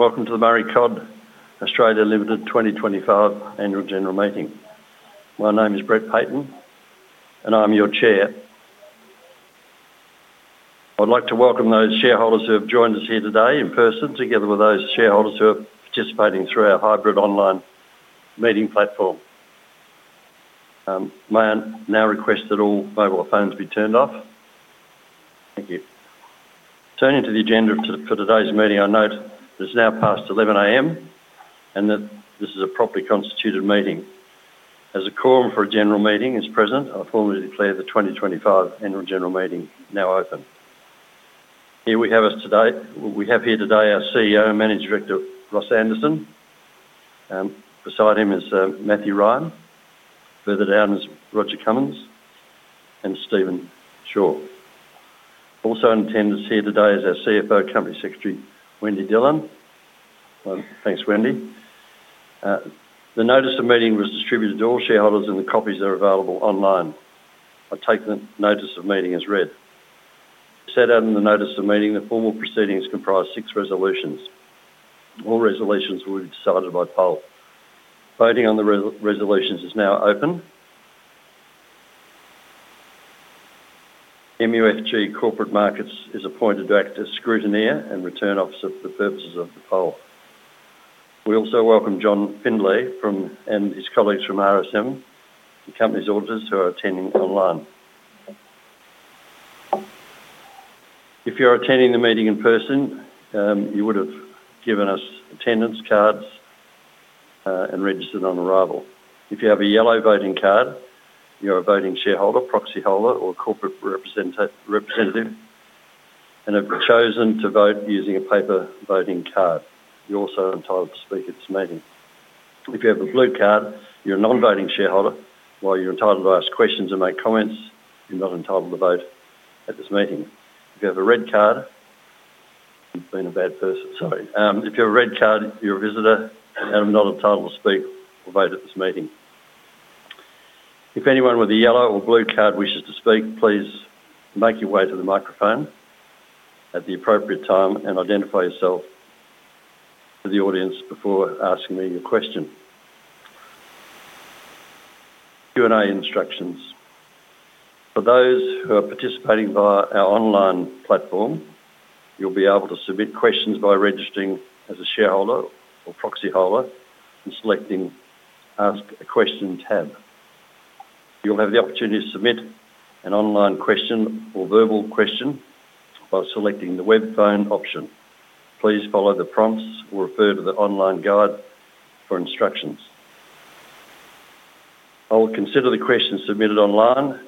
Welcome to the Murray Cod Australia Limited 2025 Annual General Meeting. My name is Brett Paton, and I'm your chair. I'd like to welcome those shareholders who have joined us here today in person, together with those shareholders who are participating through our hybrid online meeting platform. May I now request that all mobile phones be turned off? Thank you. Turning to the agenda for today's meeting, I note it's now past 11:00 A.M. and that this is a properly constituted meeting. As a quorum for a general meeting, it's present. I formally declare the 2025 Annual General Meeting now open. Here we have us today. We have here today our CEO and Managing Director, Ross Anderson. Beside him is Matthew Ryan. Further down is Roger Cummins and Steven Chaur. Also in attendance here today is our CFO, Company Secretary, Wendy Dillon. Thanks, Wendy. The notice of meeting was distributed to all shareholders, and the copies are available online. I take the notice of meeting as read. Set out in the notice of meeting, the formal proceedings comprise six resolutions. All resolutions will be decided by poll. Voting on the resolutions is now open. MUFG Corporate Markets is appointed to act as scrutineer and returning officer for the purposes of the poll. We also welcome John Findlay and his colleagues from RSM, the company's auditors who are attending online. If you're attending the meeting in person, you would have given us attendance cards and registered on arrival. If you have a yellow voting card, you're a voting shareholder, proxy holder, or corporate representative, and have chosen to vote using a paper voting card. You're also entitled to speak at this meeting. If you have a blue card, you're a non-voting shareholder. While you're entitled to ask questions and make comments, you're not entitled to vote at this meeting. If you have a red card—you've been a bad person, sorry—if you have a red card, you're a visitor and are not entitled to speak or vote at this meeting. If anyone with a yellow or blue card wishes to speak, please make your way to the microphone at the appropriate time and identify yourself to the audience before asking me your question. Q&A instructions. For those who are participating via our online platform, you'll be able to submit questions by registering as a shareholder or proxy holder and selecting "Ask a Question" tab. You'll have the opportunity to submit an online question or verbal question by selecting the web phone option. Please follow the prompts or refer to the online guide for instructions. I will consider the questions submitted online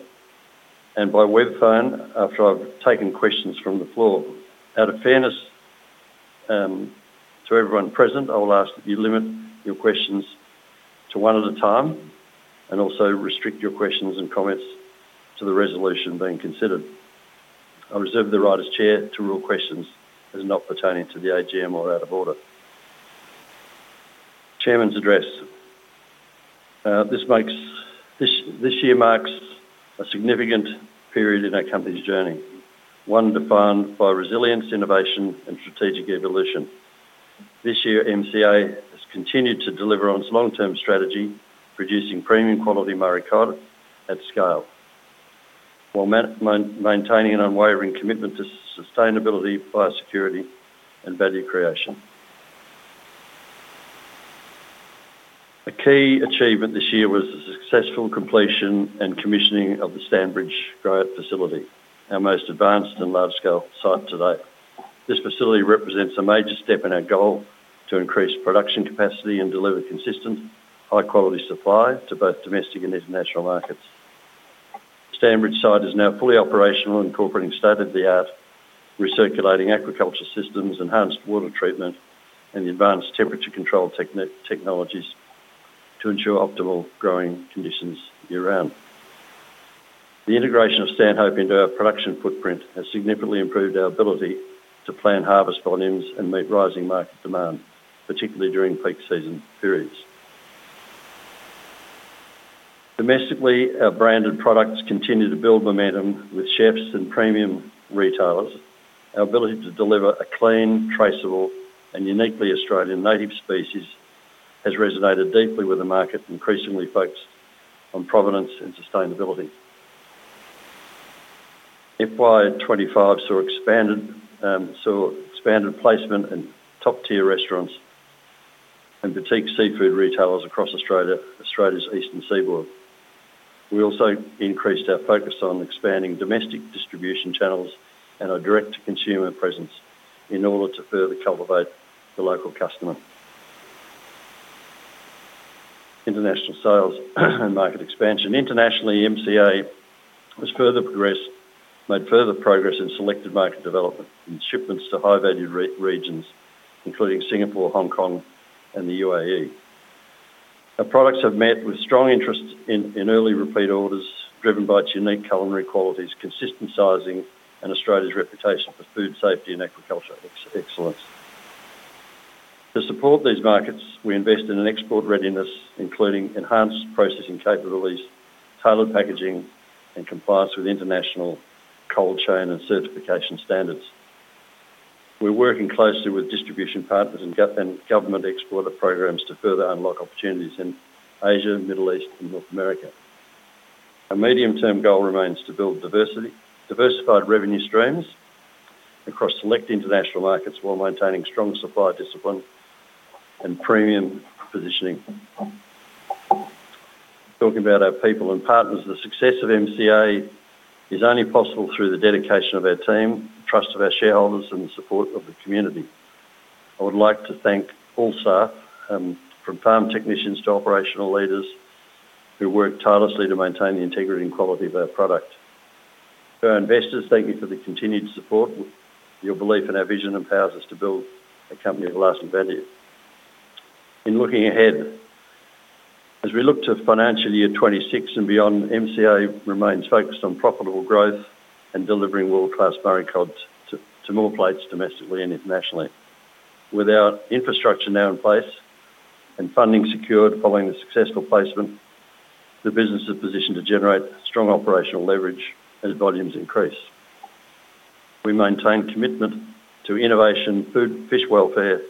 and by web phone after I've taken questions from the floor. Out of fairness to everyone present, I will ask that you limit your questions to one at a time and also restrict your questions and comments to the resolution being considered. I reserve the right as Chair to rule questions as not pertaining to the AGM or out of order. Chairman's Address. This year marks a significant period in our company's journey, one defined by resilience, innovation, and strategic evolution. This year, MCA has continued to deliver on its long-term strategy, producing premium quality Murray Cod at scale, while maintaining an unwavering commitment to sustainability, biosecurity, and value creation. A key achievement this year was the successful completion and commissioning of the Stanbridge Grower Facility, our most advanced and large-scale site to date. This facility represents a major step in our goal to increase production capacity and deliver consistent, high-quality supply to both domestic and international markets. Stanbridge site is now fully operational, incorporating state-of-the-art recirculating aquaculture systems, enhanced water treatment, and the advanced temperature control technologies to ensure optimal growing conditions year-round. The integration of Stanhope into our production footprint has significantly improved our ability to plan harvest volumes and meet rising market demand, particularly during peak season periods. Domestically, our branded products continue to build momentum with chefs and premium retailers. Our ability to deliver a clean, traceable, and uniquely Australian native species has resonated deeply with the market, increasingly focused on provenance and sustainability. FY 2025 saw expanded placement in top-tier restaurants and boutique seafood retailers across Australia's eastern seaboard. We also increased our focus on expanding domestic distribution channels and our direct-to-consumer presence in order to further cultivate the local customer. International sales and market expansion. Internationally, MCA has made further progress in selected market development and shipments to high-value regions, including Singapore, Hong Kong, and the UAE. Our products have met with strong interest in early repeat orders driven by its unique culinary qualities, consistent sizing, and Australia's reputation for food safety and agricultural excellence. To support these markets, we invest in export readiness, including enhanced processing capabilities, tailored packaging, and compliance with international cold chain and certification standards. We're working closely with distribution partners and government exporter programs to further unlock opportunities in Asia, the Middle East, and North America. Our medium-term goal remains to build diversified revenue streams across select international markets while maintaining strong supply discipline and premium positioning. Talking about our people and partners, the success of MCA is only possible through the dedication of our team, the trust of our shareholders, and the support of the community. I would like to thank all staff, from farm technicians to operational leaders, who work tirelessly to maintain the integrity and quality of our product. To our investors, thank you for the continued support. Your belief in our vision empowers us to build a company of lasting value. In looking ahead, as we look to financial year 2026 and beyond, MCA remains focused on profitable growth and delivering world-class Murray Cod to more plates domestically and internationally. With our infrastructure now in place and funding secured following the successful placement, the business is positioned to generate strong operational leverage as volumes increase. We maintain commitment to innovation, food, fish welfare,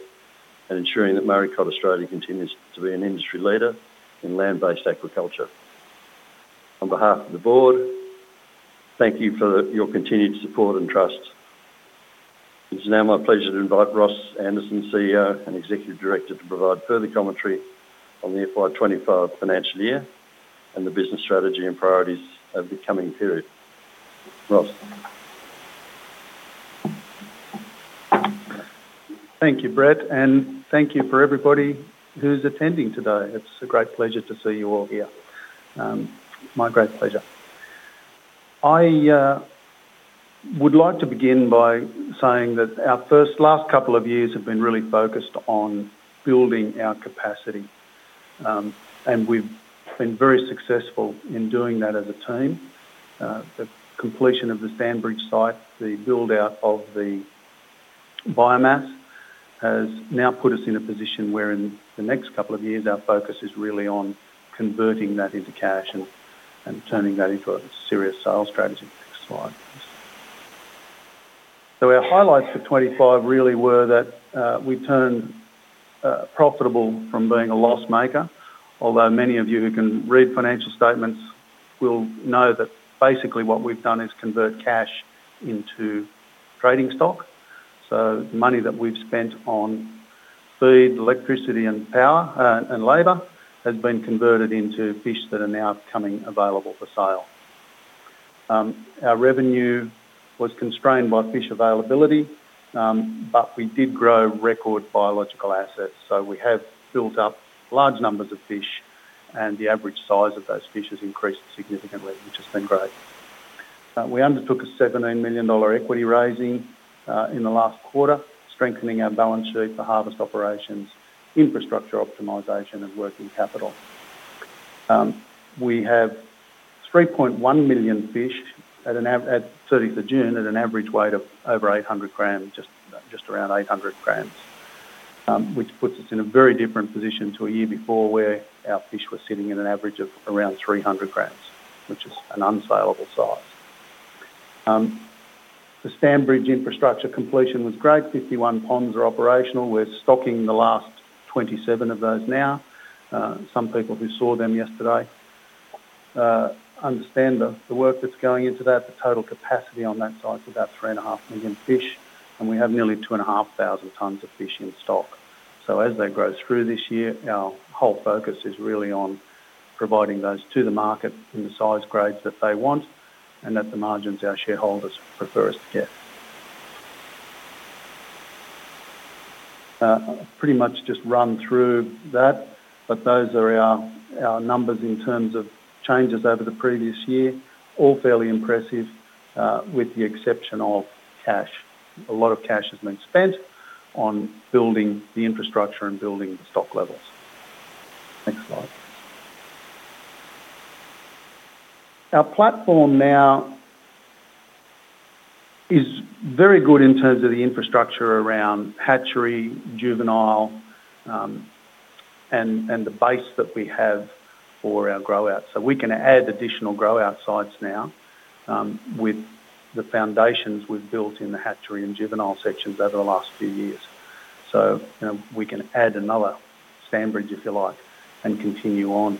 and ensuring that Murray Cod Australia continues to be an industry leader in land-based aquaculture. On behalf of the board, thank you for your continued support and trust. It is now my pleasure to invite Ross Anderson, CEO and Executive Director, to provide further commentary on the FY 2025 financial year and the business strategy and priorities of the coming period. Ross. Thank you, Brett, and thank you for everybody who's attending today. It's a great pleasure to see you all here. My great pleasure. I would like to begin by saying that our first last couple of years have been really focused on building our capacity, and we've been very successful in doing that as a team. The completion of the Stanbridge site, the build-out of the biomass, has now put us in a position where in the next couple of years our focus is really on converting that into cash and turning that into a serious sales strategy. Next slide, please. Our highlights for 2025 really were that we turned profitable from being a loss maker, although many of you who can read financial statements will know that basically what we've done is convert cash into trading stock. The money that we've spent on food, electricity, and power, and labor has been converted into fish that are now coming available for sale. Our revenue was constrained by fish availability, but we did grow record biological assets. We have built up large numbers of fish, and the average size of those fish has increased significantly, which has been great. We undertook an 17 million dollar equity raising in the last quarter, strengthening our balance sheet for harvest operations, infrastructure optimization, and working capital. We have 3.1 million fish at 30th of June at an average weight of over 800 gr, just around 800 gr, which puts us in a very different position to a year before where our fish were sitting at an average of around 300 gr, which is an unsaleable size. The Stanbridge infrastructure completion was great. 51 ponds are operational. We're stocking the last 27 of those now. Some people who saw them yesterday understand the work that's going into that. The total capacity on that site is about 3.5 million fish, and we have nearly 2,500 tons of fish in stock. As they grow through this year, our whole focus is really on providing those to the market in the size grades that they want and at the margins our shareholders prefer us to get. I'll pretty much just run through that, but those are our numbers in terms of changes over the previous year, all fairly impressive with the exception of cash. A lot of cash has been spent on building the infrastructure and building the stock levels. Next slide. Our platform now is very good in terms of the infrastructure around hatchery, juvenile, and the base that we have for our grow-out. We can add additional grow-out sites now with the foundations we've built in the hatchery and juvenile sections over the last few years. We can add another Stanbridge, if you like, and continue on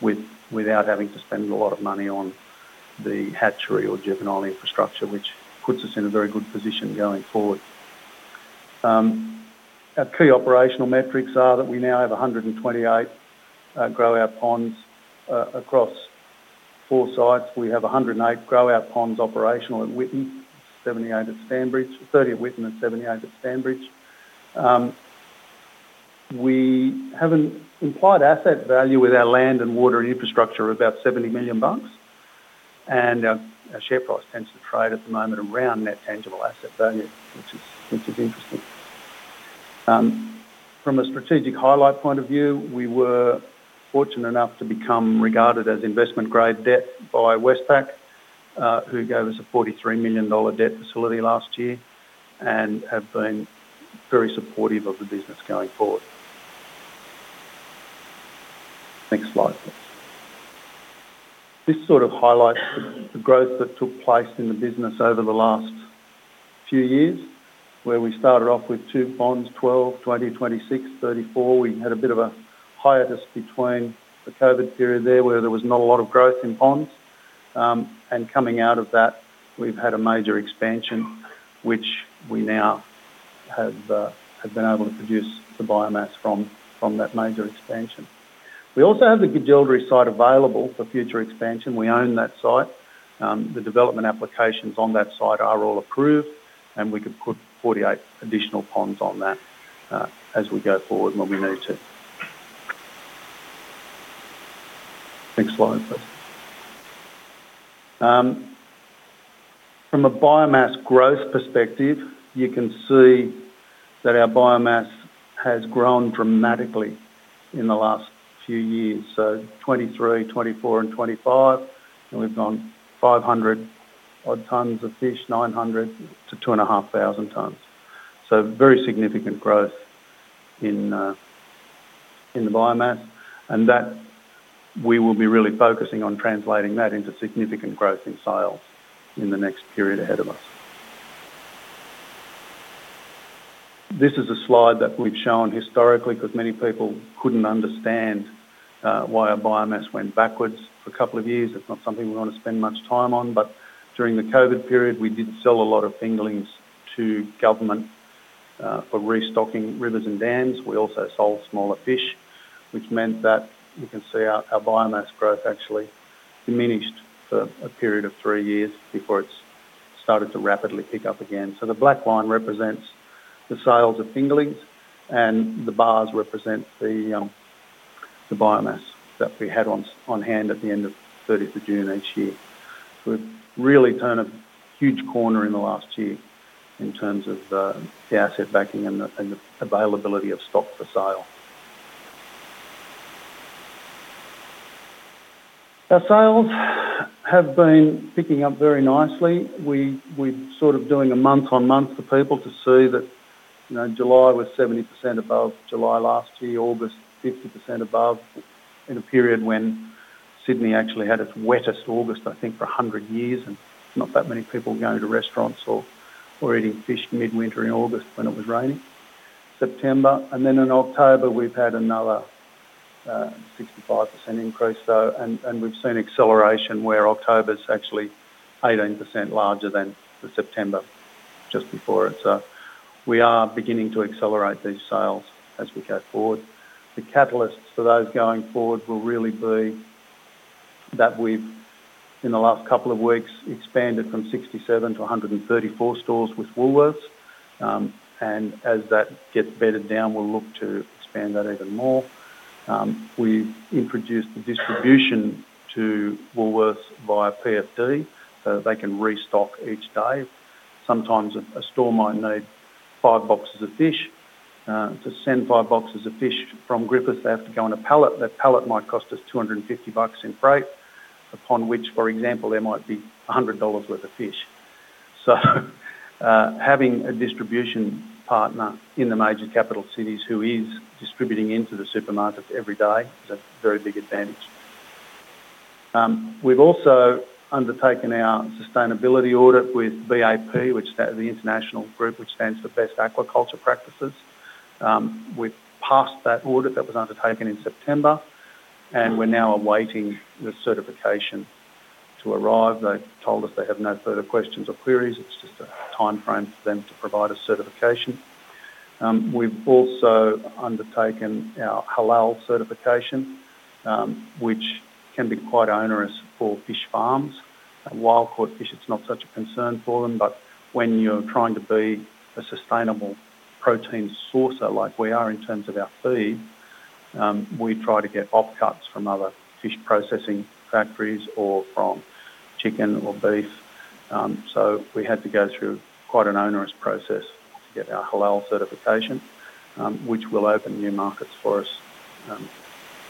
without having to spend a lot of money on the hatchery or juvenile infrastructure, which puts us in a very good position going forward. Our key operational metrics are that we now have 128 grow-out ponds across four sites. We have 108 grow-out ponds operational at Whitten, 78 at Stanbridge, 30 at Whitten, and 78 at Stanbridge. We have an implied asset value with our land and water infrastructure of about 70 million bucks, and our share price tends to trade at the moment around net tangible asset value, which is interesting. From a strategic highlight point of view, we were fortunate enough to become regarded as investment-grade debt by Westpac, who gave us an 43 million dollar debt facility last year and have been very supportive of the business going forward. Next slide, please. This sort of highlights the growth that took place in the business over the last few years, where we started off with two ponds, 12 ponds, 20 ponds, 26 ponds, 34 ponds. We had a bit of a hiatus between the COVID period there, where there was not a lot of growth in ponds. Coming out of that, we have had a major expansion, which we now have been able to produce the biomass from that major expansion. We also have the Gajildri site available for future expansion. We own that site. The development applications on that site are all approved, and we could put 48 additional ponds on that as we go forward when we need to. Next slide, please. From a biomass growth perspective, you can see that our biomass has grown dramatically in the last few years. So 2023, 2024, and 2025, we've gone 500 odd tons of fish, 900 tons-2,500 tons. Very significant growth in the biomass. We will be really focusing on translating that into significant growth in sales in the next period ahead of us. This is a slide that we've shown historically because many people couldn't understand why our biomass went backwards for a couple of years. It's not something we want to spend much time on. During the COVID period, we did sell a lot of fingerlings to government for restocking rivers and dams. We also sold smaller fish, which meant that you can see our biomass growth actually diminished for a period of three years before it started to rapidly pick up again. The black line represents the sales of fingerlings, and the bars represent the biomass that we had on hand at the end of 30th of June each year. We have really turned a huge corner in the last year in terms of the asset backing and the availability of stock for sale. Our sales have been picking up very nicely. We are sort of doing a month-on-month for people to see that July was 70% above July last year, August 50% above in a period when Sydney actually had its wettest August, I think, for 100 years. Not that many people going to restaurants or eating fish midwinter in August when it was raining. September. In October, we've had another 65% increase. We've seen acceleration where October is actually 18% larger than September just before it. We are beginning to accelerate these sales as we go forward. The catalysts for those going forward will really be that we've, in the last couple of weeks, expanded from 67 to 134 stores with Woolworths. As that gets bedded down, we'll look to expand that even more. We've introduced the distribution to Woolworths via PFD so that they can restock each day. Sometimes a store might need five boxes of fish. To send five boxes of fish from Griffith, they have to go on a pallet. That pallet might cost us 250 bucks in freight, upon which, for example, there might be 100 dollars worth of fish. Having a distribution partner in the major capital cities who is distributing into the supermarkets every day is a very big advantage. We've also undertaken our sustainability audit with BAP, the international group which stands for Best Aquaculture Practices. We've passed that audit that was undertaken in September, and we're now awaiting the certification to arrive. They've told us they have no further questions or queries. It's just a timeframe for them to provide a certification. We've also undertaken our halal certification, which can be quite onerous for fish farms. Wild caught fish, it's not such a concern for them. When you're trying to be a sustainable protein sourcer like we are in terms of our feed, we try to get offcuts from other fish processing factories or from chicken or beef. We had to go through quite an onerous process to get our halal certification, which will open new markets for us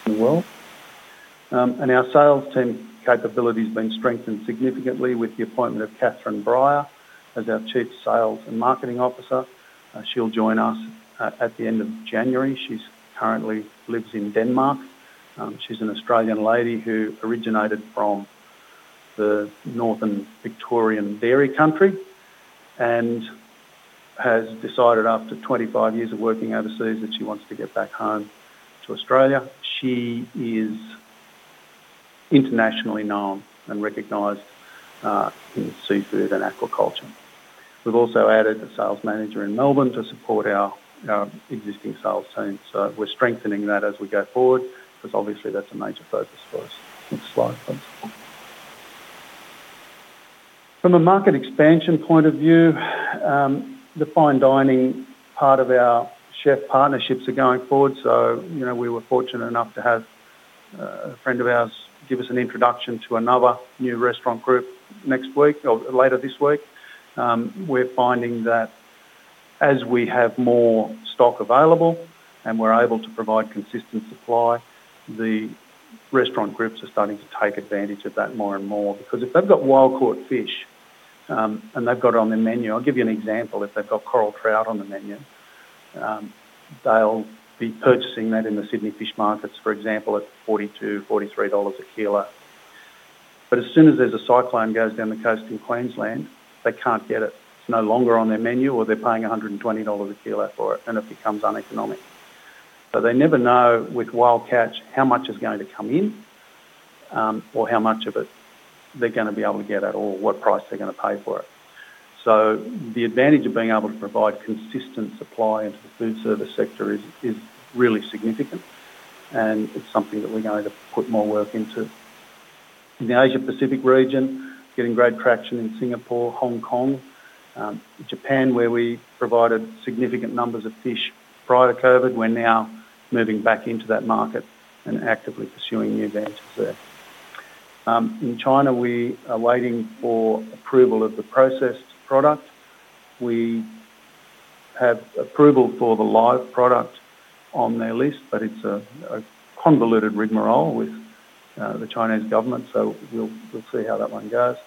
in the world. Our sales team capability has been strengthened significantly with the appointment of Katherine Bryar as our Chief Sales and Marketing Officer. She'll join us at the end of January. She currently lives in Denmark. She's an Australian lady who originated from the Northern Victorian dairy country and has decided after 25 years of working overseas that she wants to get back home to Australia. She is internationally known and recognized in seafood and aquaculture. We've also added a sales manager in Melbourne to support our existing sales team. We're strengthening that as we go forward because obviously that's a major focus for us. Next slide, please. From a market expansion point of view, the fine dining part of our chef partnerships are going forward. We were fortunate enough to have a friend of ours give us an introduction to another new restaurant group next week or later this week. We are finding that as we have more stock available and we are able to provide consistent supply, the restaurant groups are starting to take advantage of that more and more because if they have wild caught fish and they have it on their menu—I will give you an example—if they have coral trout on the menu, they will be purchasing that in the Sydney fish markets, for example, at 42, 43 dollars a kilo. As soon as there is a cyclone that goes down the coast in Queensland, they cannot get it. It is no longer on their menu or they are paying 120 dollars a kilo for it, and it becomes uneconomic. They never know with wild catch how much is going to come in or how much of it they're going to be able to get at or what price they're going to pay for it. The advantage of being able to provide consistent supply into the food service sector is really significant, and it's something that we're going to put more work into. In the Asia-Pacific region, getting great traction in Singapore, Hong Kong, Japan, where we provided significant numbers of fish prior to COVID, we're now moving back into that market and actively pursuing new ventures there. In China, we are waiting for approval of the processed product. We have approval for the live product on their list, but it's a convoluted rigmarole with the Chinese government, so we'll see how that one goes.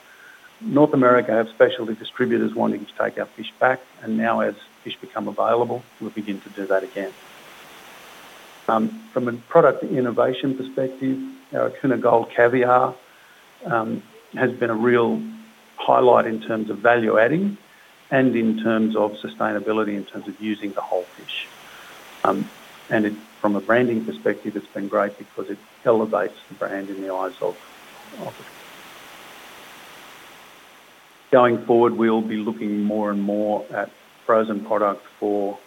North America have specialty distributors wanting to take our fish back, and now as fish become available, we'll begin to do that again. From a product innovation perspective, our Aquna Gold caviar has been a real highlight in terms of value adding and in terms of sustainability, in terms of using the whole fish. From a branding perspective, it's been great because it elevates the brand in the eyes of the customer. Going forward, we'll be looking more and more at frozen product for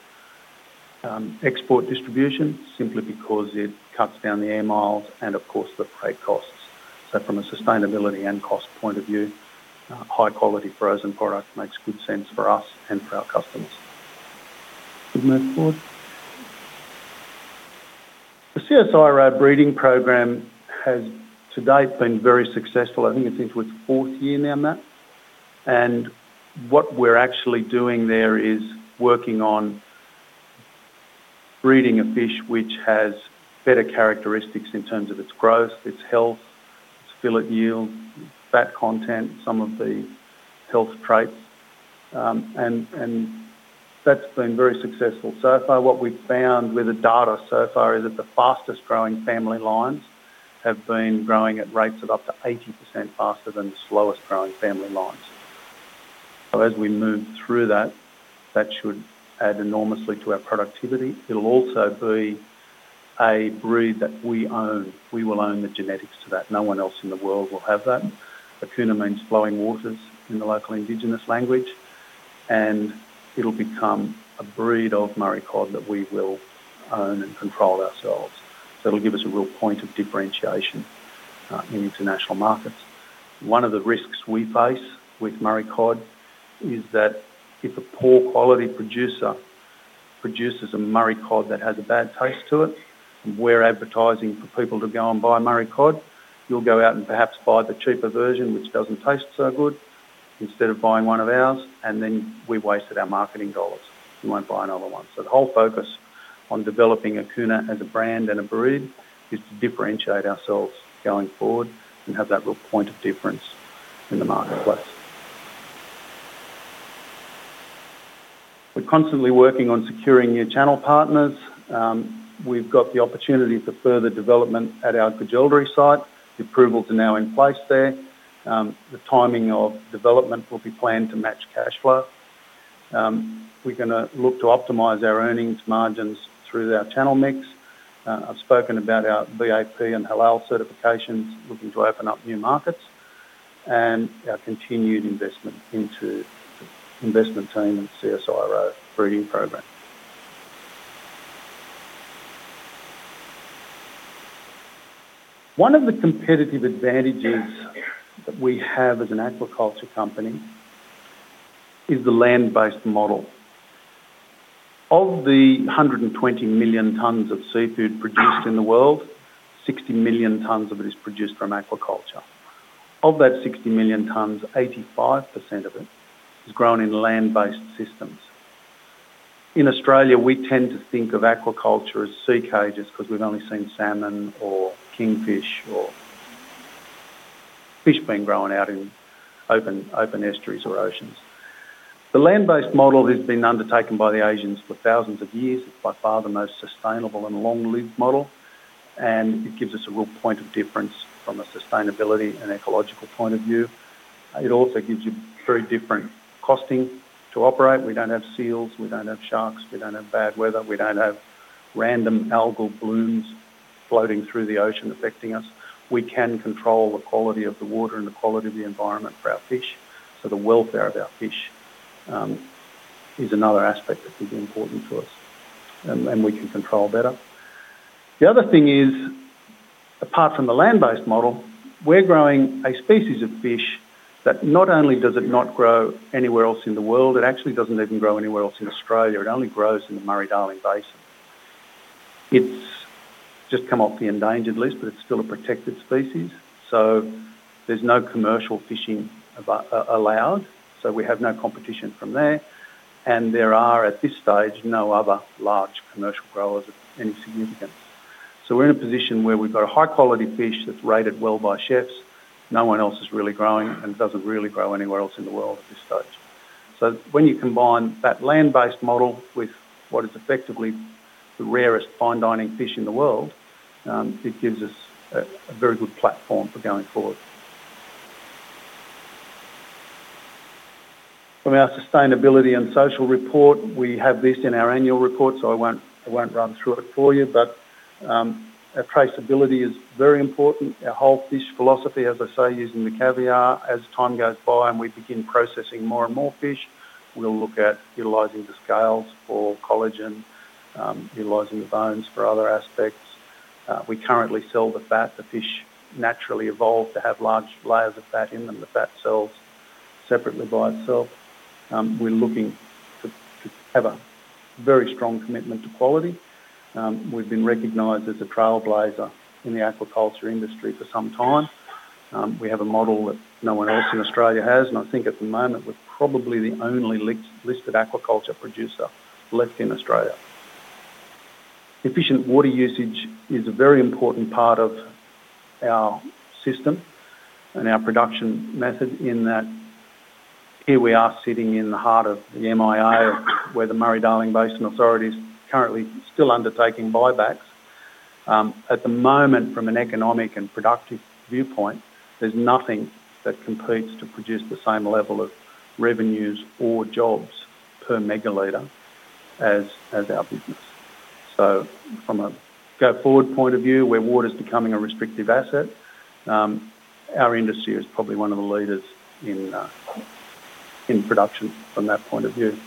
export distribution simply because it cuts down the air miles and, of course, the freight costs. From a sustainability and cost point of view, high-quality frozen product makes good sense for us and for our customers. We'll move forward. The CSIRO breeding program has to date been very successful. I think it's into its fourth year now, Matt. What we're actually doing there is working on breeding a fish which has better characteristics in terms of its growth, its health, its fillet yield, fat content, some of the health traits. That has been very successful. So far, what we've found with the data so far is that the fastest-growing family lines have been growing at rates of up to 80% faster than the slowest-growing family lines. As we move through that, that should add enormously to our productivity. It will also be a breed that we own. We will own the genetics to that. No one else in the world will have that. Aquna means flowing waters in the local indigenous language. It will become a breed of Murray Cod that we will own and control ourselves. It will give us a real point of differentiation in international markets. One of the risks we face with Murray Cod is that if a poor-quality producer produces a Murray Cod that has a bad taste to it, we're advertising for people to go and buy Murray Cod. You will go out and perhaps buy the cheaper version, which does not taste so good, instead of buying one of ours. Then we have wasted our marketing dollars. You will not buy another one. The whole focus on developing Aquna as a brand and a breed is to differentiate ourselves going forward and have that real point of difference in the marketplace. We are constantly working on securing new channel partners. We have the opportunity for further development at our Gajildri site. The approvals are now in place there. The timing of development will be planned to match cash flow. We are going to look to optimize our earnings margins through our channel mix. I've spoken about our BAP and halal certifications, looking to open up new markets and our continued investment into the investment team and CSIRO breeding program. One of the competitive advantages that we have as an aquaculture company is the land-based model. Of the 120 million tons of seafood produced in the world, 60 million tons of it is produced from aquaculture. Of that 60 million tons, 85% of it is grown in land-based systems. In Australia, we tend to think of aquaculture as sea cages because we've only seen salmon or kingfish or fish being grown out in open estuaries or oceans. The land-based model has been undertaken by the Asians for thousands of years. It's by far the most sustainable and long-lived model. It gives us a real point of difference from a sustainability and ecological point of view. It also gives you very different costing to operate. We don't have seals. We don't have sharks. We don't have bad weather. We don't have random algal blooms floating through the ocean affecting us. We can control the quality of the water and the quality of the environment for our fish. The welfare of our fish is another aspect that can be important to us, and we can control better. The other thing is, apart from the land-based model, we're growing a species of fish that not only does it not grow anywhere else in the world, it actually doesn't even grow anywhere else in Australia. It only grows in the Murray-Darling Basin. It's just come off the endangered list, but it's still a protected species. There is no commercial fishing allowed. We have no competition from there. There are, at this stage, no other large commercial growers of any significance. We are in a position where we have a high-quality fish that is rated well by chefs. No one else is really growing and it does not really grow anywhere else in the world at this stage. When you combine that land-based model with what is effectively the rarest fine dining fish in the world, it gives us a very good platform for going forward. From our sustainability and social report, we have this in our annual report, so I will not run through it for you. Our traceability is very important. Our whole fish philosophy, as I say, using the caviar, as time goes by and we begin processing more and more fish, we will look at utilizing the scales for collagen, utilizing the bones for other aspects. We currently sell the fat. The fish naturally evolve to have large layers of fat in them. The fat sells separately by itself. We're looking to have a very strong commitment to quality. We've been recognized as a trailblazer in the aquaculture industry for some time. We have a model that no one else in Australia has. I think at the moment, we're probably the only listed aquaculture producer left in Australia. Efficient water usage is a very important part of our system and our production method in that here we are sitting in the heart of the Murrumbidgee Irrigation Area, where the Murray-Darling Basin authority is currently still undertaking buybacks. At the moment, from an economic and productive viewpoint, there's nothing that competes to produce the same level of revenues or jobs per megaliter as our business. From a go forward point of view, where water is becoming a restrictive asset, our industry is probably one of the leaders in production from that point of view.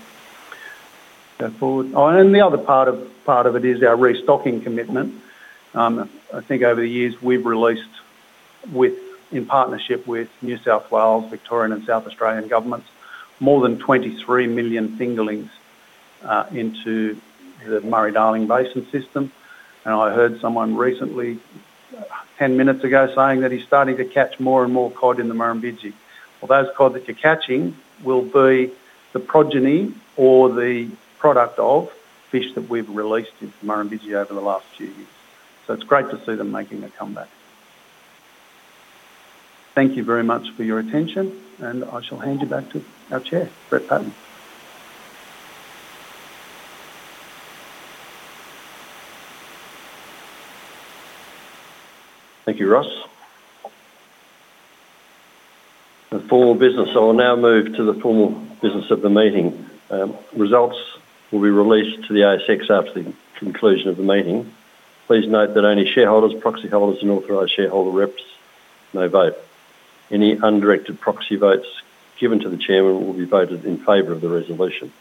Go forward. The other part of it is our restocking commitment. I think over the years, we've released, in partnership with New South Wales, Victorian, and South Australian governments, more than 23 million fingerlings into the Murray-Darling Basin system. I heard someone recently, 10 minutes ago, saying that he's starting to catch more and more cod in the Murrumbidgee. Those cod that you're catching will be the progeny or the product of fish that we've released into the Murrumbidgee over the last few years. It's great to see them making a comeback. Thank you very much for your attention. I shall hand you back to our Chair, Brett Paton. Thank you, Ross. The formal business. I will now move to the formal business of the meeting. Results will be released to the ASX after the conclusion of the meeting. Please note that only shareholders, proxy holders, and authorized shareholder reps may vote. Any undirected proxy votes given to the Chairman will be voted in favor of the resolution.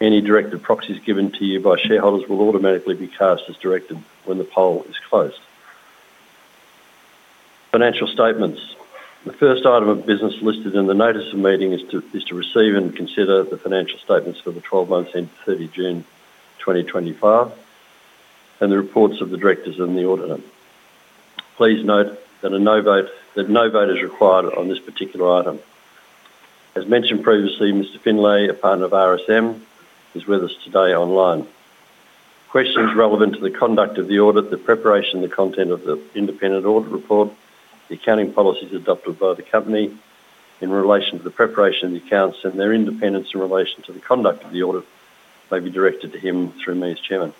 Any directed proxies given to you by shareholders will automatically be cast as directed when the poll is closed. Financial statements. The first item of business listed in the notice of meeting is to receive and consider the financial statements for the 12 months ended 30 June 2025 and the reports of the directors and the auditor. Please note that a no vote is required on this particular item. As mentioned previously, Mr. Findlay, a partner of RSM, is with us today online. Questions relevant to the conduct of the audit, the preparation, the content of the independent audit report, the accounting policies adopted by the company in relation to the preparation of the accounts, and their independence in relation to the conduct of the audit may be directed to him through me as Chairman.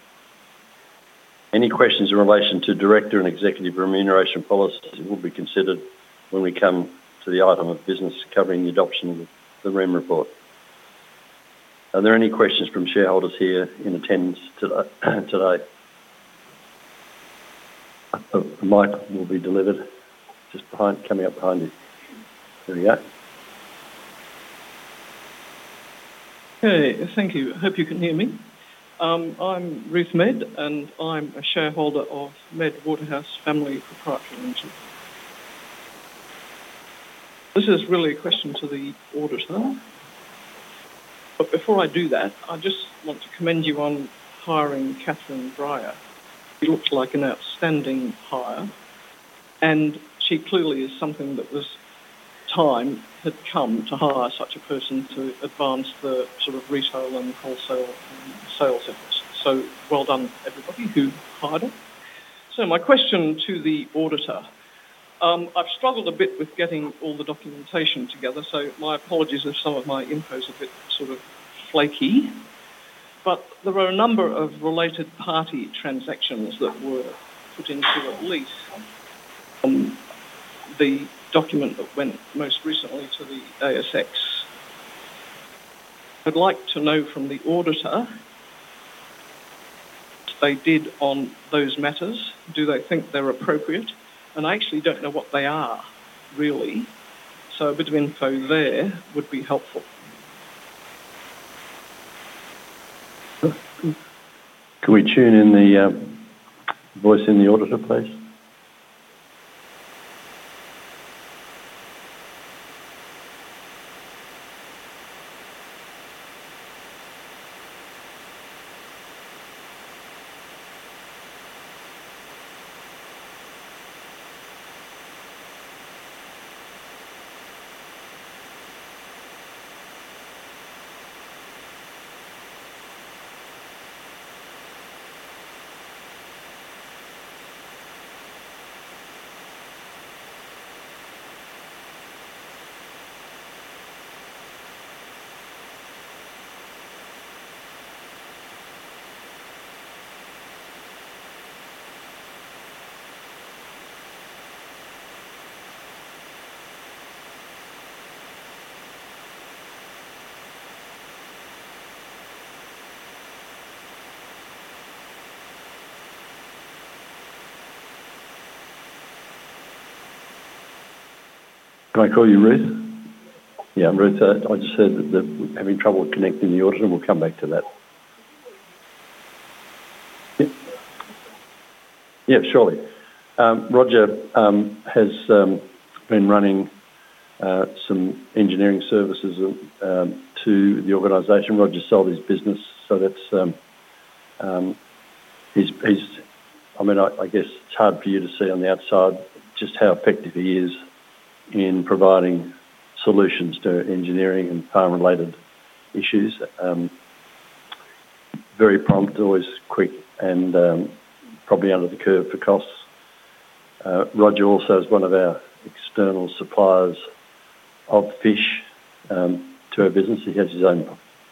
Any questions in relation to director and executive remuneration policies will be considered when we come to the item of business covering the adoption of the REM report. Are there any questions from shareholders here in attendance today? The mic will be delivered just coming up behind you. There we go. Okay. Thank you. Hope you can hear me. I'm Ruth Mead, and I'm a shareholder of Mead Waterhouse Family Proprietary Ltd. This is really a question to the auditor. Before I do that, I just want to commend you on hiring Katherine Bryar. She looks like an outstanding hire. She clearly is something that this time had come to hire such a person to advance the sort of retail and wholesale sales efforts. Well done, everybody, who hired her. My question to the auditor, I've struggled a bit with getting all the documentation together. My apologies if some of my info is a bit sort of flaky. There were a number of related party transactions that were put into a lease on the document that went most recently to the ASX. I'd like to know from the auditor what they did on those matters. Do they think they're appropriate? I actually don't know what they are, really. A bit of info there would be helpful. Can we tune in the voice in the auditor, please? Can I call you Ruth? Yeah, I'm Ruth. I just heard that we're having trouble connecting the auditor. We'll come back to that. Yeah. Yeah, surely. Roger has been running some engineering services to the organization. Roger sold his business. I mean, I guess it's hard for you to see on the outside just how effective he is in providing solutions to engineering and farm-related issues. Very prompt, always quick, and probably under the curve for costs. Roger also is one of our external suppliers of fish to our business. He has his own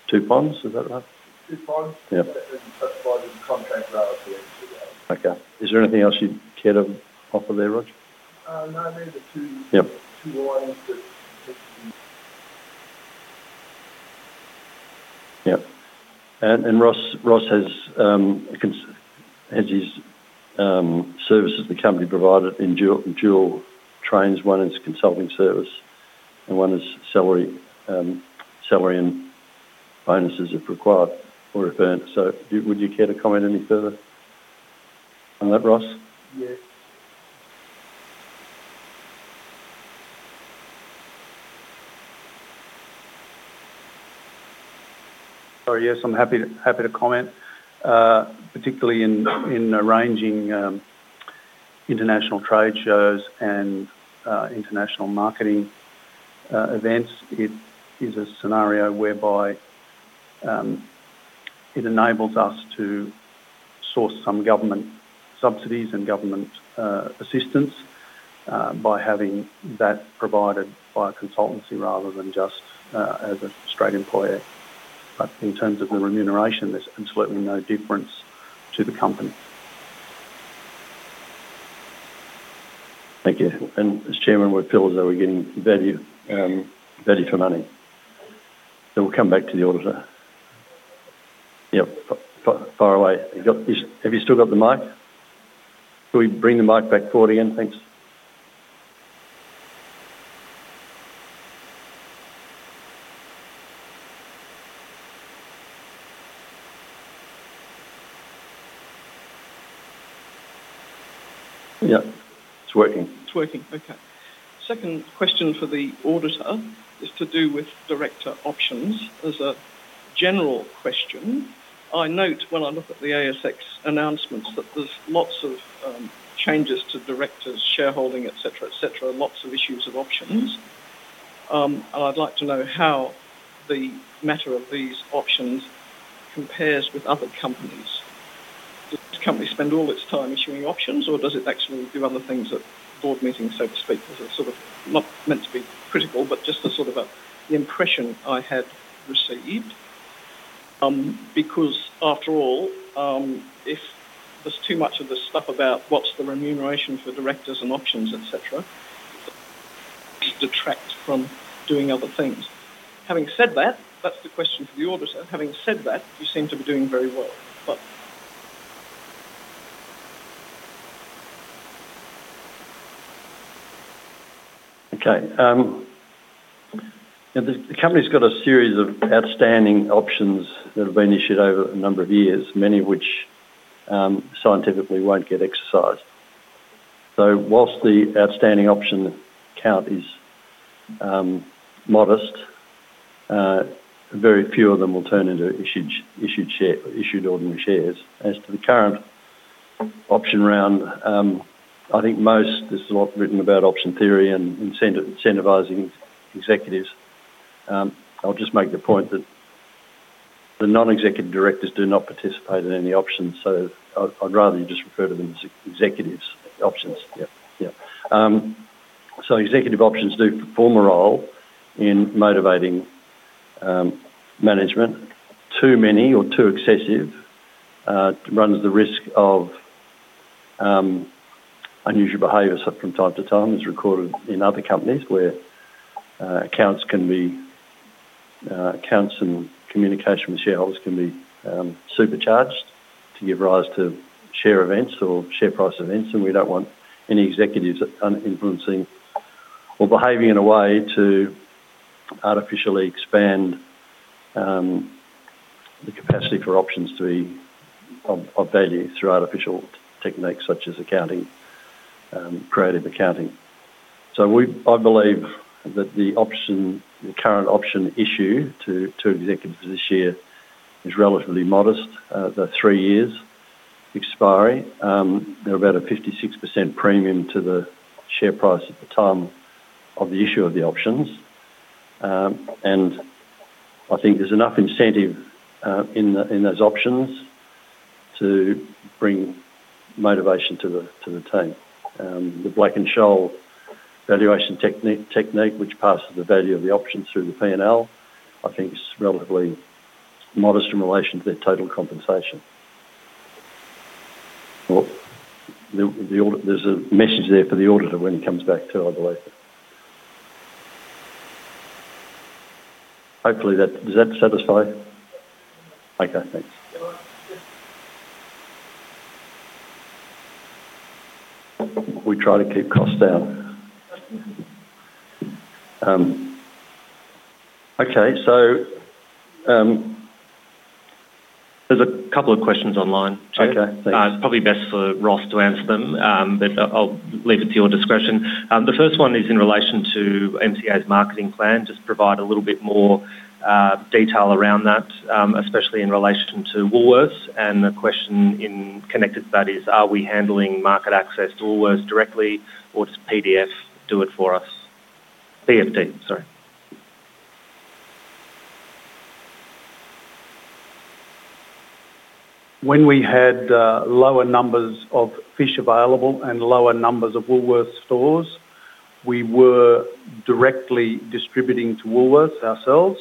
two ponds. Is that right? Two ponds. Yeah. That's why the contract rather cleared today. Okay. Is there anything else you care to offer there, Roger? No, those are two lines that. Yeah. And Ross has his services, the company provided in dual trains. One is consulting service, and one is salary and bonuses if required or if earned. Would you care to comment any further on that, Ross? Yeah. Yes, I'm happy to comment. Particularly in arranging international trade shows and international marketing events, it is a scenario whereby it enables us to source some government subsidies and government assistance by having that provided by consultancy rather than just as an Australian player. In terms of the remuneration, there's absolutely no difference to the company. Thank you. As Chairman, we're pillars that we're getting value for money. We'll come back to the auditor. Yep. Fire away. Have you still got the mic? Can we bring the mic back forward again? Thanks. Yeah. It's working. It's working. Okay. Second question for the auditor is to do with director options as a general question. I note when I look at the ASX announcements that there's lots of changes to directors, shareholding, etc., etc., lots of issues of options. I'd like to know how the matter of these options compares with other companies. Does this company spend all its time issuing options, or does it actually do other things at board meetings, so to speak? It's sort of not meant to be critical, but just sort of the impression I had received. Because after all, if there's too much of this stuff about what's the remuneration for directors and options, etc., it detracts from doing other things. Having said that, that's the question for the auditor. Having said that, you seem to be doing very well. Okay. The company's got a series of outstanding options that have been issued over a number of years, many of which scientifically won't get exercised. Whilst the outstanding option count is modest, very few of them will turn into issued ordinary shares. As to the current option round, I think most—there's a lot written about option theory and incentivizing executives. I'll just make the point that the non-executive directors do not participate in any options. I'd rather you just refer to them as executives. Options. Yeah. Yeah. Executive options do perform a role in motivating management. Too many or too excessive runs the risk of unusual behaviors from time to time, as recorded in other companies where accounts and communication with shareholders can be supercharged to give rise to share events or share price events. We don't want any executives influencing or behaving in a way to artificially expand the capacity for options to be of value through artificial techniques such as creative accounting. I believe that the current option issue to executives this year is relatively modest. The three years expiry. There are about a 56% premium to the share price at the time of the issue of the options. I think there is enough incentive in those options to bring motivation to the team. The Black and Scholes valuation technique, which passes the value of the options through the P&L, I think is relatively modest in relation to their total compensation. There is a message there for the auditor when he comes back too, I believe. Hopefully, does that satisfy? Okay. Thanks. We try to keep costs down. There are a couple of questions online. Okay. Thanks. It is probably best for Ross to answer them, but I will leave it to your discretion. The first one is in relation to MCA's marketing plan. Just provide a little bit more detail around that, especially in relation to Woolworths. The question connected to that is, are we handling market access to Woolworths directly, or does PFD do it for us? When we had lower numbers of fish available and lower numbers of Woolworths stores, we were directly distributing to Woolworths ourselves.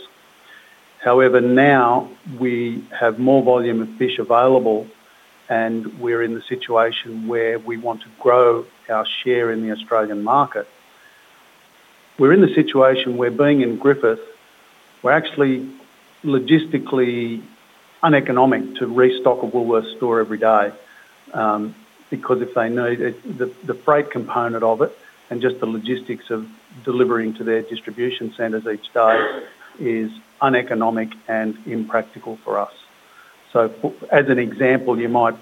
However, now we have more volume of fish available, and we're in the situation where we want to grow our share in the Australian market. We're in the situation where being in Griffith, we're actually logistically uneconomic to restock a Woolworths store every day because if they need the freight component of it and just the logistics of delivering to their distribution centers each day is uneconomic and impractical for us. As an example, you might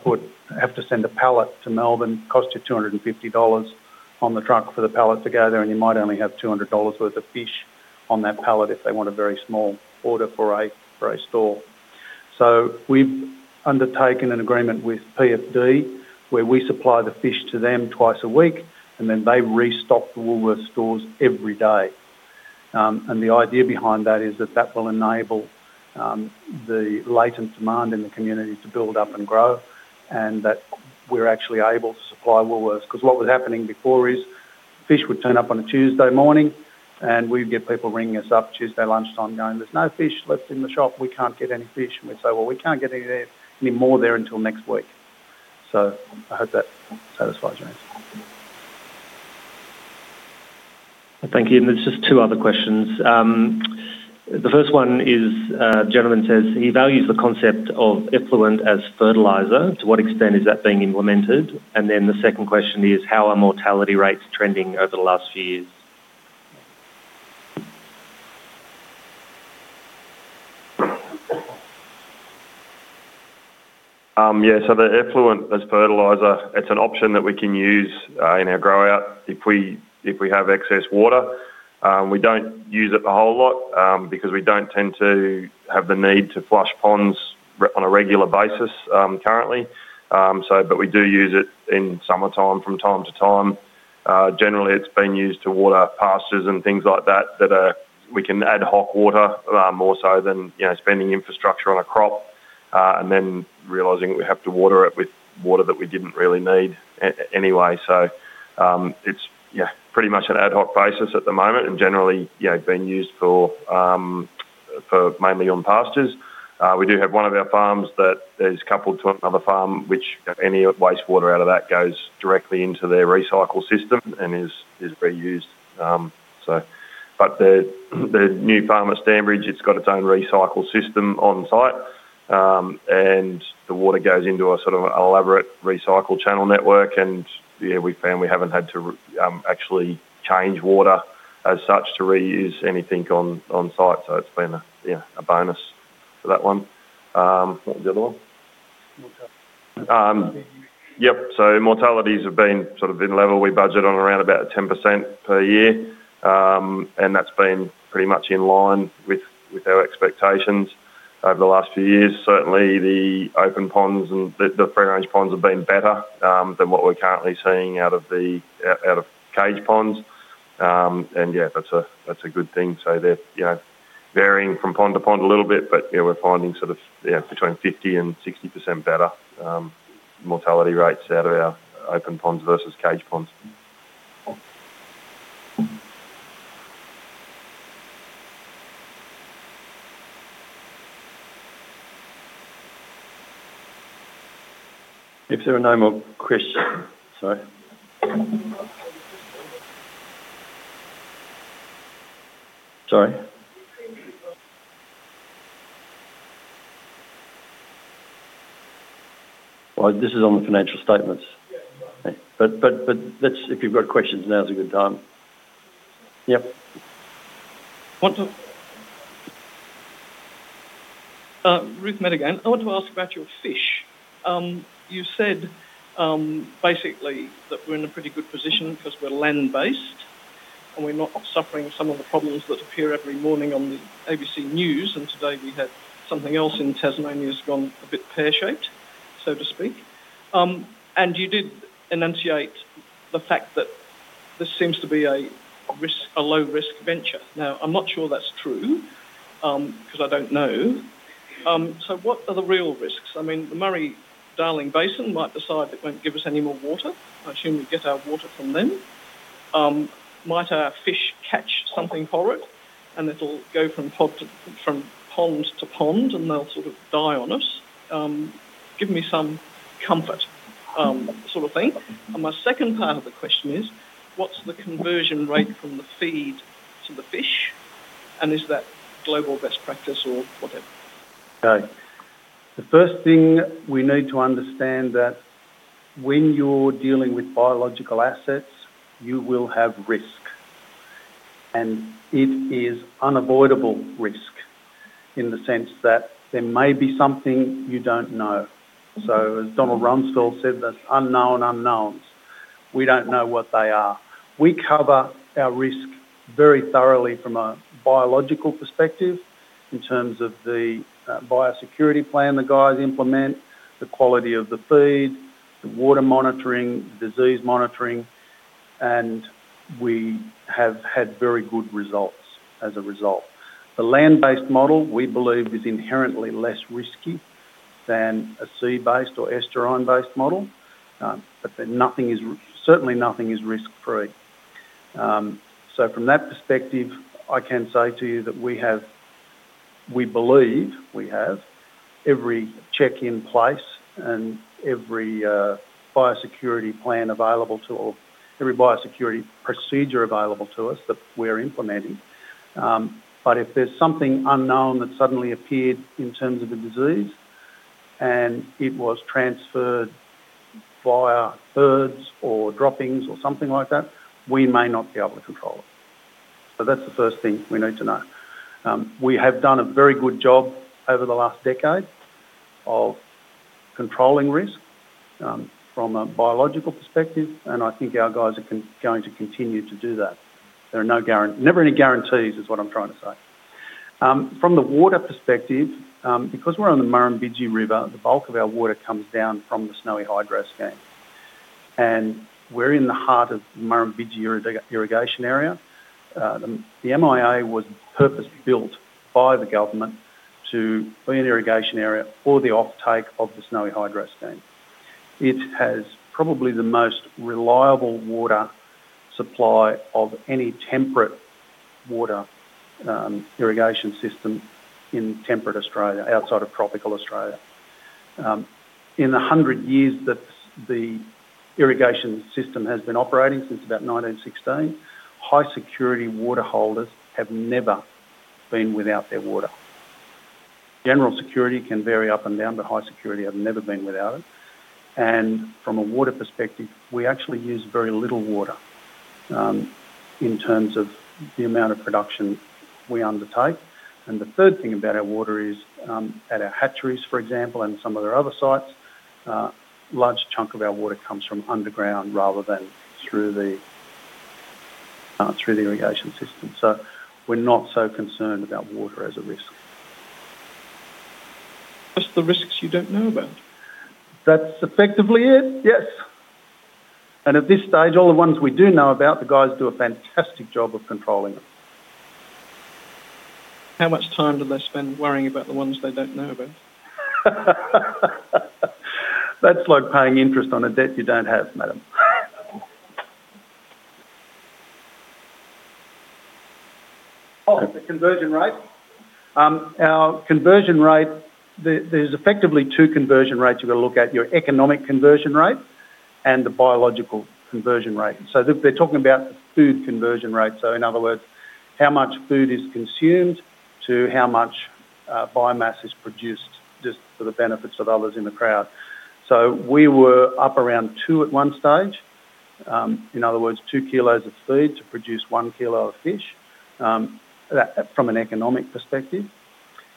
have to send a pallet to Melbourne. It costs you 250 dollars on the truck for the pallet to go, and you might only have 200 dollars worth of fish on that pallet if they want a very small order for a store. We have undertaken an agreement with PFD where we supply the fish to them twice a week, and then they restock the Woolworths stores every day. The idea behind that is that that will enable the latent demand in the community to build up and grow and that we are actually able to supply Woolworths. What was happening before is fish would turn up on a Tuesday morning, and we would get people ringing us up Tuesday lunchtime going, "There is no fish left in the shop. We cannot get any fish." We would say, "We cannot get any more there until next week." I hope that satisfies your answer. Thank you. There are just two other questions. The first one is a gentleman says he values the concept of effluent as fertilizer. To what extent is that being implemented? The second question is, how are mortality rates trending over the last few years? Yeah. The effluent as fertilizer, it's an option that we can use in our grow-out if we have excess water. We do not use it a whole lot because we do not tend to have the need to flush ponds on a regular basis currently. We do use it in summertime from time to time. Generally, it has been used to water pastures and things like that that we can ad hoc water more so than spending infrastructure on a crop and then realizing we have to water it with water that we did not really need anyway. It is pretty much an ad hoc basis at the moment and generally being used mainly on pastures. We do have one of our farms that is coupled to another farm, which any wastewater out of that goes directly into their recycle system and is reused. The new farm at Stanbridge has its own recycle system on site, and the water goes into a sort of elaborate recycle channel network. We found we have not had to actually change water as such to reuse anything on site. It has been a bonus for that one. What was the other one? Yep. Mortalities have been sort of in level. We budget on around 10% per year, and that has been pretty much in line with our expectations over the last few years. Certainly, the open ponds and the free-range ponds have been better than what we're currently seeing out of cage ponds. Yeah, that's a good thing. They're varying from pond to pond a little bit, but we're finding sort of between 50%-60% better mortality rates out of our open ponds versus cage ponds. If there are no more questions, sorry. This is on the financial statements. If you've got questions now, it's a good time. Yep. Ruth Mead, I want to ask about your fish. You said basically that we're in a pretty good position because we're land-based and we're not suffering some of the problems that appear every morning on the ABC News. Today we had something else in Tasmania has gone a bit pear-shaped, so to speak. You did enunciate the fact that this seems to be a low-risk venture. Now, I'm not sure that's true because I don't know. What are the real risks? I mean, the Murray-Darling Basin might decide it won't give us any more water. I assume we get our water from them. Might our fish catch something for it, and it'll go from pond to pond, and they'll sort of die on us. Give me some comfort sort of thing. My second part of the question is, what's the conversion rate from the feed to the fish? Is that global best practice or whatever? The first thing we need to understand is that when you're dealing with biological assets, you will have risk. It is unavoidable risk in the sense that there may be something you don't know. As Donald Rumsfeld said, there's unknown unknowns. We don't know what they are. We cover our risk very thoroughly from a biological perspective in terms of the biosecurity plan the guys implement, the quality of the feed, the water monitoring, disease monitoring, and we have had very good results as a result. The land-based model, we believe, is inherently less risky than a sea-based or estuarine-based model. Certainly, nothing is risk-free. From that perspective, I can say to you that we believe we have every check in place and every biosecurity plan available to us, every biosecurity procedure available to us that we're implementing. If there's something unknown that suddenly appeared in terms of the disease and it was transferred via herds or droppings or something like that, we may not be able to control it. That's the first thing we need to know. We have done a very good job over the last decade of controlling risk from a biological perspective, and I think our guys are going to continue to do that. There are never any guarantees, is what I'm trying to say. From the water perspective, because we're on the Murrumbidgee River, the bulk of our water comes down from the Snowy Hydro scheme. We are in the heart of the Murrumbidgee Irrigation Area. The MIA was purposely built by the government to be an irrigation area for the offtake of the Snowy Hydro scheme. It has probably the most reliable water supply of any temperate water irrigation system in temperate Australia, outside of tropical Australia. In the 100 years that the irrigation system has been operating, since about 1916, high-security water holders have never been without their water. General security can vary up and down, but high security have never been without it. From a water perspective, we actually use very little water in terms of the amount of production we undertake. The third thing about our water is at our hatcheries, for example, and some of their other sites, a large chunk of our water comes from underground rather than through the irrigation system. We are not so concerned about water as a risk. Just the risks you do not know about. That is effectively it, yes. At this stage, all the ones we do know about, the guys do a fantastic job of controlling them. How much time do they spend worrying about the ones they do not know about? That is like paying interest on a debt you do not have, madam. Oh, the conversion rate. Our conversion rate, there's effectively two conversion rates you've got to look at: your economic conversion rate and the biological conversion rate. They're talking about the food conversion rate. In other words, how much food is consumed to how much biomass is produced just for the benefits of others in the crowd. We were up around two at one stage. In other words, 2 kg of food to produce 1 kg of fish from an economic perspective.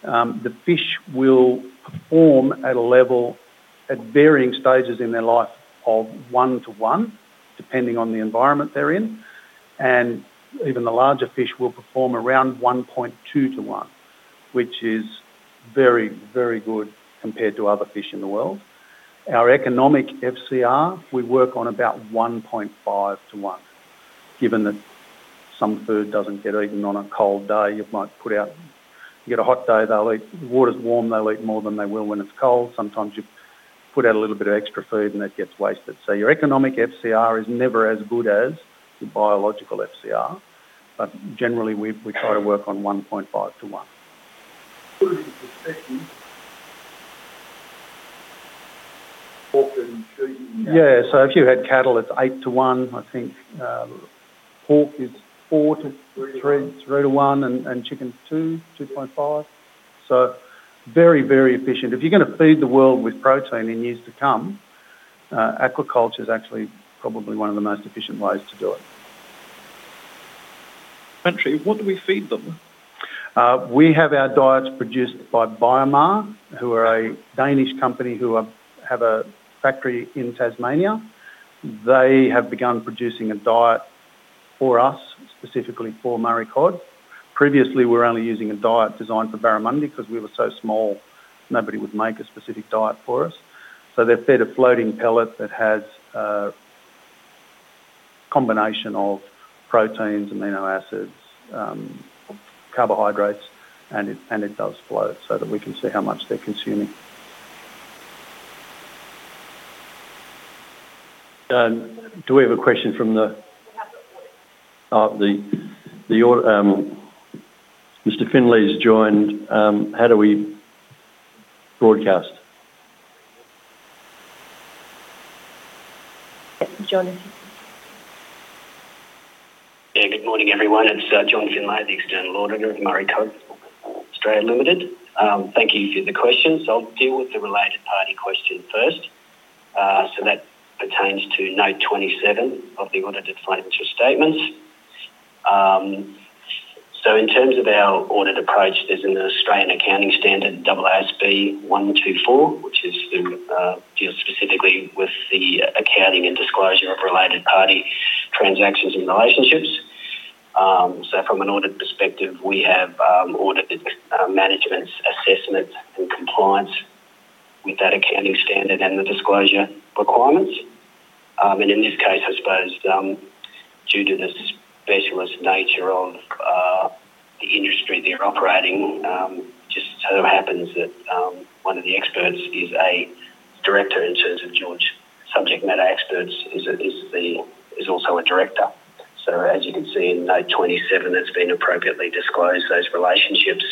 The fish will perform at varying stages in their life of one-to-one, depending on the environment they're in. Even the larger fish will perform around 1.2 to one, which is very, very good compared to other fish in the world. Our economic FCR, we work on about 1.5 to one. Given that some food does not get eaten on a cold day, you might put out, you get a hot day, the water's warm, they'll eat more than they will when it's cold. Sometimes you put out a little bit of extra food, and it gets wasted. Your economic FCR is never as good as your biological FCR. Generally, we try to work on 1.5 to one. If you had cattle, it's eight to one. I think pork is four to three, three to one, and chicken's two, 2.5. Very, very efficient. If you're going to feed the world with protein in years to come, aquaculture is actually probably one of the most efficient ways to do it. Country, what do we feed them? We have our diets produced by BioMar, who are a Danish company who have a factory in Tasmania. They have begun producing a diet for us, specifically for Murray Cod. Previously, we were only using a diet designed for barramundi because we were so small, nobody would make a specific diet for us. So they've fed a floating pellet that has a combination of proteins, amino acids, carbohydrates, and it does float so that we can see how much they're consuming. Do we have a question from the Mr. Findlay's joined. How do we broadcast? Yeah. Good morning, everyone. It's John Findlay, the external auditor of Murray Cod Australia Ltd. Thank you for the questions. I'll deal with the related party question first. That pertains to note 27 of the audited financial statements. In terms of our audit approach, there's an Australian accounting standard, AASB 124, which deals specifically with the accounting and disclosure of related party transactions and relationships. From an audit perspective, we have audited management's assessments and compliance with that accounting standard and the disclosure requirements. In this case, I suppose, due to the specialist nature of the industry they're operating, it just so happens that one of the experts is a director in terms of, you know, subject matter experts is also a director. As you can see in note 27, it's been appropriately disclosed, those relationships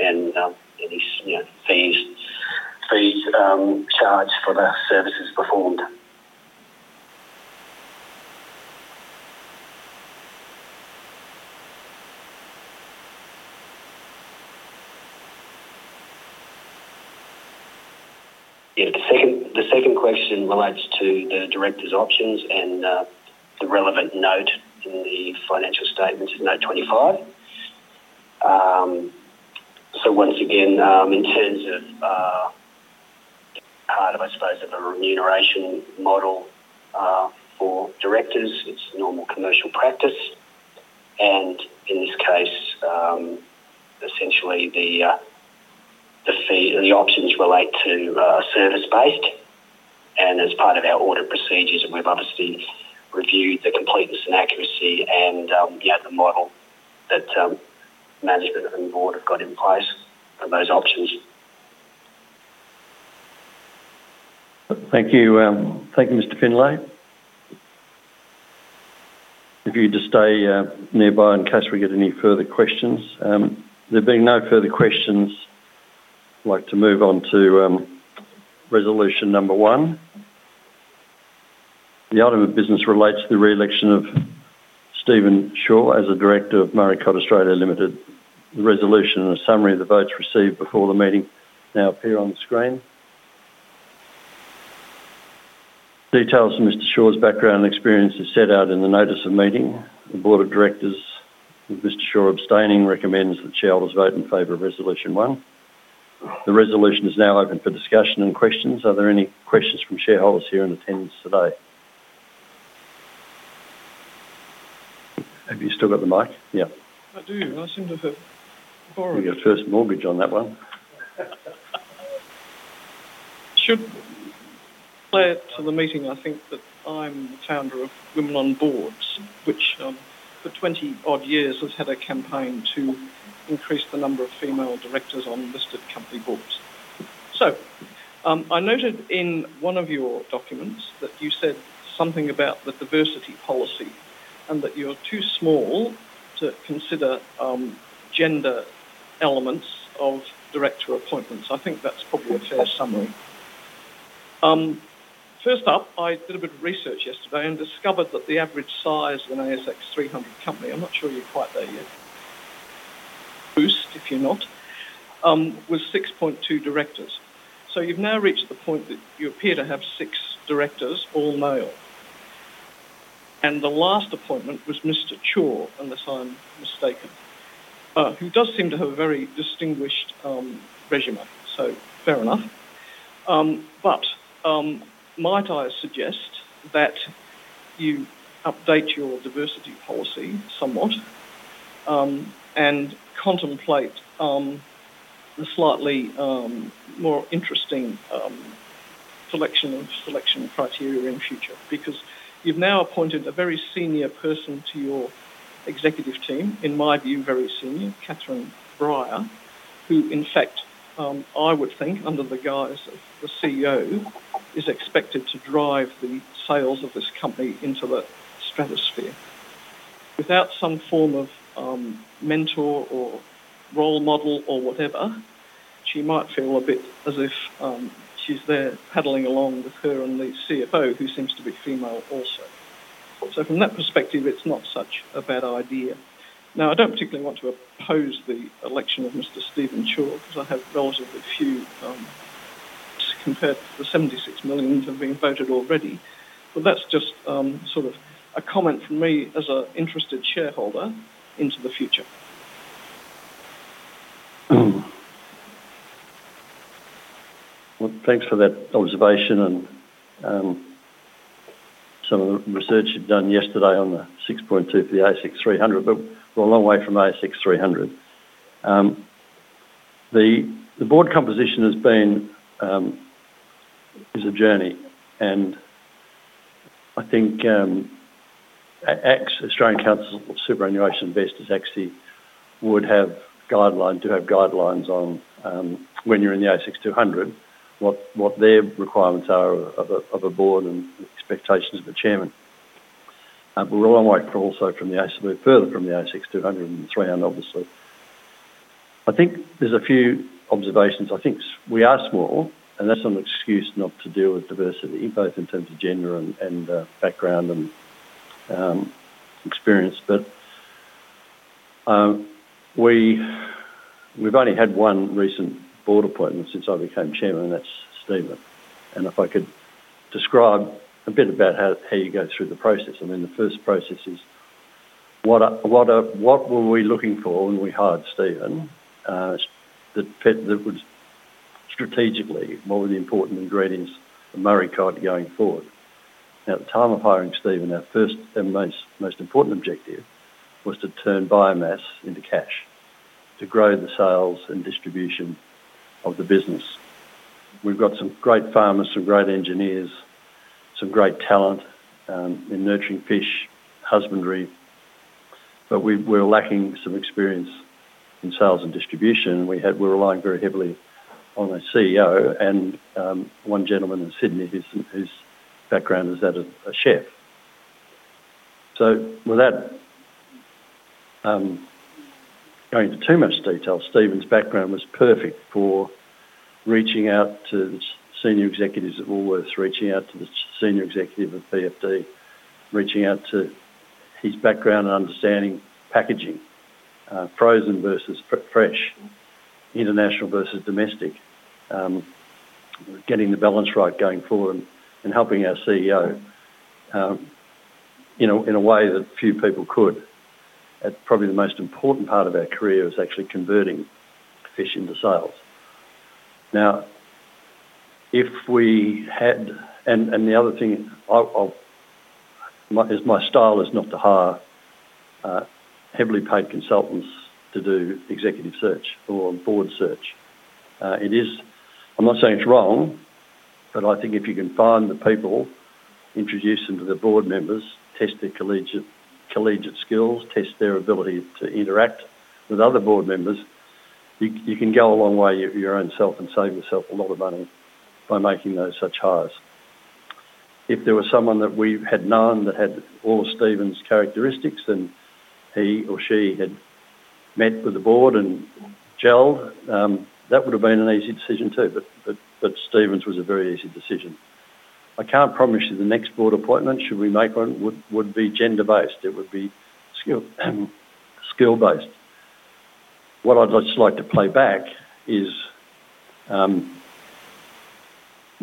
and any fees charged for the services performed. Yeah. The second question relates to the director's options and the relevant note in the financial statements, note 25. Once again, in terms of part of, I suppose, of a remuneration model for directors, it's normal commercial practice. In this case, essentially, the options relate to service-based. As part of our audit procedures, we have obviously reviewed the completeness and accuracy and the model that management and board have got in place for those options. Thank you, Mr. Findlay. If you would just stay nearby in case we get any further questions. There being no further questions, I would like to move on to resolution number one. The item of business relates to the re-election of Steven Chaur as a director of Murray Cod Australia Limited. The resolution and a summary of the votes received before the meeting now appear on the screen. Details of Mr. Chaur's background and experience are set out in the notice of meeting. The board of directors, with Mr. Chaur abstaining, recommends that shareholders vote in favor of resolution one. The resolution is now open for discussion and questions. Are there any questions from shareholders here in attendance today? Have you still got the mic? Yeah. I do. I seem to have borrowed your first mortgage on that one. Should play it to the meeting. I think that I'm the founder of Women on Boards, which for 20-odd years has had a campaign to increase the number of female directors on listed company boards. I noted in one of your documents that you said something about the diversity policy and that you're too small to consider gender elements of director appointments. I think that's probably a fair summary. First up, I did a bit of research yesterday and discovered that the average size of an ASX 300 company—I'm not sure you're quite there yet—boost, if you're not, was 6.2 directors. You have now reached the point that you appear to have six directors, all male. The last appointment was Mr. Chaur, unless I'm mistaken, who does seem to have a very distinguished resume. Fair enough. Might I suggest that you update your diversity policy somewhat and contemplate the slightly more interesting selection criteria in future? You have now appointed a very senior person to your executive team, in my view, very senior, Katherine Bryar, who, in fact, I would think, under the guise of the CEO, is expected to drive the sales of this company into the stratosphere. Without some form of mentor or role model or whatever, she might feel a bit as if she's there paddling along with her and the CFO, who seems to be female also. From that perspective, it's not such a bad idea. I don't particularly want to oppose the election of Mr. Steven Chaur because I have relatively few compared to the 76 million that have been voted already. That is just sort of a comment from me as an interested shareholder into the future. Thanks for that observation and some of the research you have done yesterday on the 6.2 for the ASX 300, but we are a long way from ASX 300. The board composition has been a journey. I think Australian Council of Superannuation Investors actually would have guidelines on when you are in the ASX 200, what their requirements are of a board and expectations of the chairman. We are a long way also further from the ASX 200 and 300, obviously. I think there are a few observations. I think we are small, and that is an excuse not to deal with diversity, both in terms of gender and background and experience. We have only had one recent board appointment since I became chairman, and that is Steven. If I could describe a bit about how you go through the process. I mean, the first process is, what were we looking for when we hired Steven? That was strategically one of the important ingredients of Murray Cod going forward. At the time of hiring Steven, our first and most important objective was to turn biomass into cash to grow the sales and distribution of the business. We've got some great farmers, some great engineers, some great talent in nurturing fish, husbandry, but we were lacking some experience in sales and distribution. We were relying very heavily on the CEO and one gentleman in Sydney whose background is that of a chef. Without going into too much detail, Steven's background was perfect for reaching out to the senior executives at Woolworths, reaching out to the senior executive at BFD, reaching out to his background and understanding packaging, frozen versus fresh, international versus domestic, getting the balance right going forward, and helping our CEO in a way that few people could. Probably the most important part of our career was actually converting fish into sales. Now, if we had—and the other thing is my style is not to hire heavily paid consultants to do executive search or board search. I'm not saying it's wrong, but I think if you can find the people, introduce them to the board members, test their collegiate skills, test their ability to interact with other board members, you can go a long way your own self and save yourself a lot of money by making those such hires. If there was someone that we had known that had all of Steven's characteristics and he or she had met with the board and gelled, that would have been an easy decision too. Steven's was a very easy decision. I can't promise you the next board appointment, should we make one, would be gender-based. It would be skill-based. What I'd just like to play back is the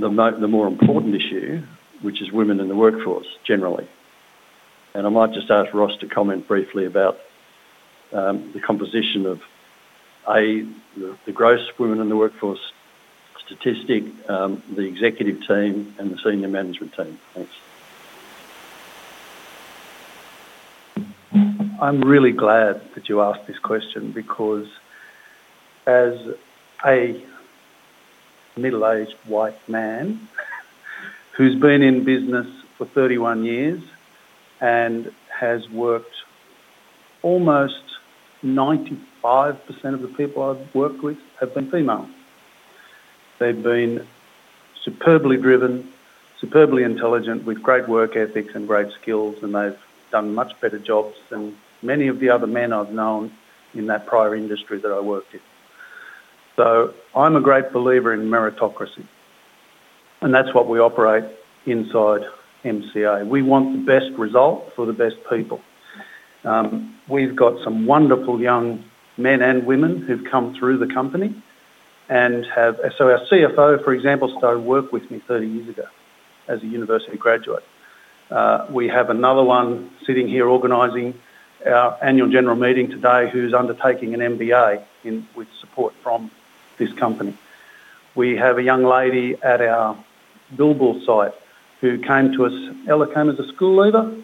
more important issue, which is women in the workforce generally. I might just ask Ross to comment briefly about the composition of, A, the gross women in the workforce statistic, the executive team, and the senior management team. Thanks. I'm really glad that you asked this question because, as a middle-aged white man who's been in business for 31 years and has worked, almost 95% of the people I've worked with have been female. They've been superbly driven, superbly intelligent, with great work ethics and great skills, and they've done much better jobs than many of the other men I've known in that prior industry that I worked in. I'm a great believer in meritocracy, and that's what we operate inside MCA. We want the best result for the best people. We've got some wonderful young men and women who've come through the company. Our CFO, for example, started working with me 30 years ago as a university graduate. We have another one sitting here organizing our annual general meeting today who's undertaking an MBA with support from this company. We have a young lady at our billable site who came to us. Ella came as a school leaver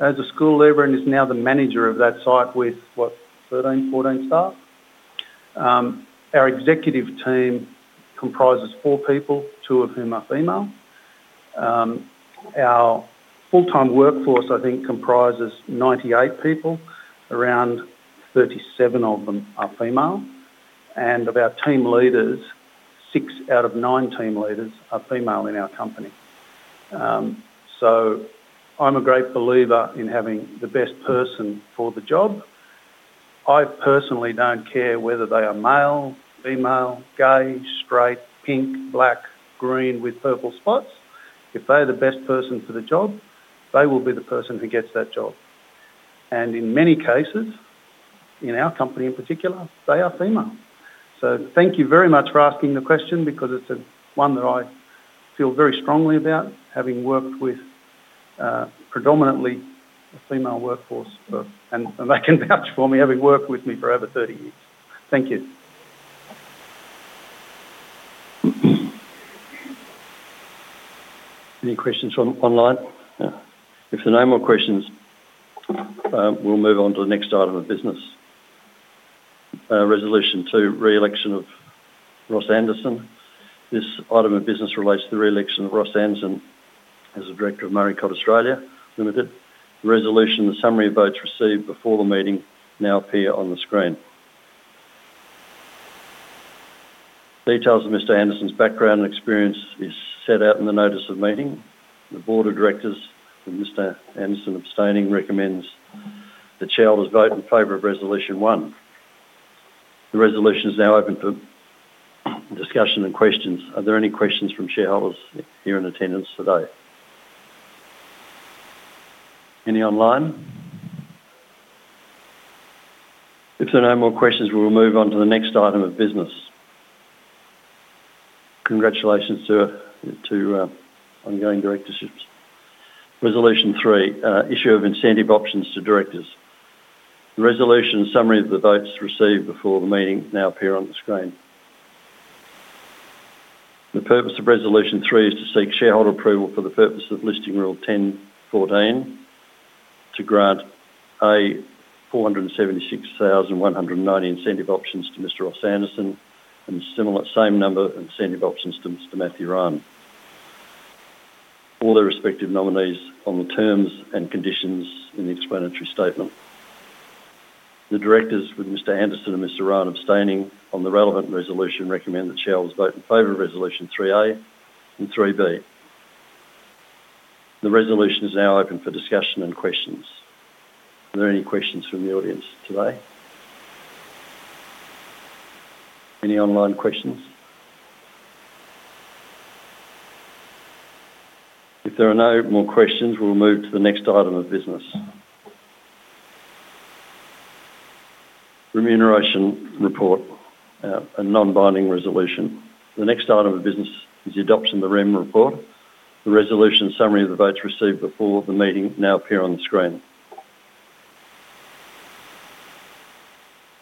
and is now the manager of that site with, what, 13-14 staff? Our executive team comprises four people, two of whom are female. Our full-time workforce, I think, comprises 98 people. Around 37 of them are female. Of our team leaders, six out of nine team leaders are female in our company. I'm a great believer in having the best person for the job. I personally don't care whether they are male, female, gay, straight, pink, black, green with purple spots. If they're the best person for the job, they will be the person who gets that job. In many cases, in our company in particular, they are female. Thank you very much for asking the question because it's one that I feel very strongly about, having worked with predominantly a female workforce. They can vouch for me, having worked with me for over 30 years. Thank you. Any questions online? If there are no more questions, we'll move on to the next item of business, resolution to re-election of Ross Anderson. This item of business relates to the re-election of Ross Anderson as the director of Murray Cod Australia Limited. The resolution and the summary of votes received before the meeting now appear on the screen. Details of Mr. Anderson's background and experience are set out in the notice of meeting. The board of directors, with Mr. Anderson abstaining, recommends that shareholders vote in favor of resolution one. The resolution is now open for discussion and questions. Are there any questions from shareholders here in attendance today? Any online? If there are no more questions, we will move on to the next item of business. Congratulations to ongoing directorships. Resolution three, issue of incentive options to directors. The resolution and summary of the votes received before the meeting now appear on the screen. The purpose of resolution three is to seek shareholder approval for the purpose of listing rule 10.14 to grant 476,190 incentive options to Mr. Ross Anderson and the same number of incentive options to Mr. Matthew Ryan. All their respective nominees on the terms and conditions in the explanatory statement. The directors, with Mr. Anderson and Mr. Ryan abstaining, on the relevant resolution recommend that shareholders vote in favor of resolution 3A and 3B. The resolution is now open for discussion and questions. Are there any questions from the audience today? Any online questions? If there are no more questions, we'll move to the next item of business, remuneration report, a non-binding resolution. The next item of business is the adoption of the REM report. The resolution and summary of the votes received before the meeting now appear on the screen.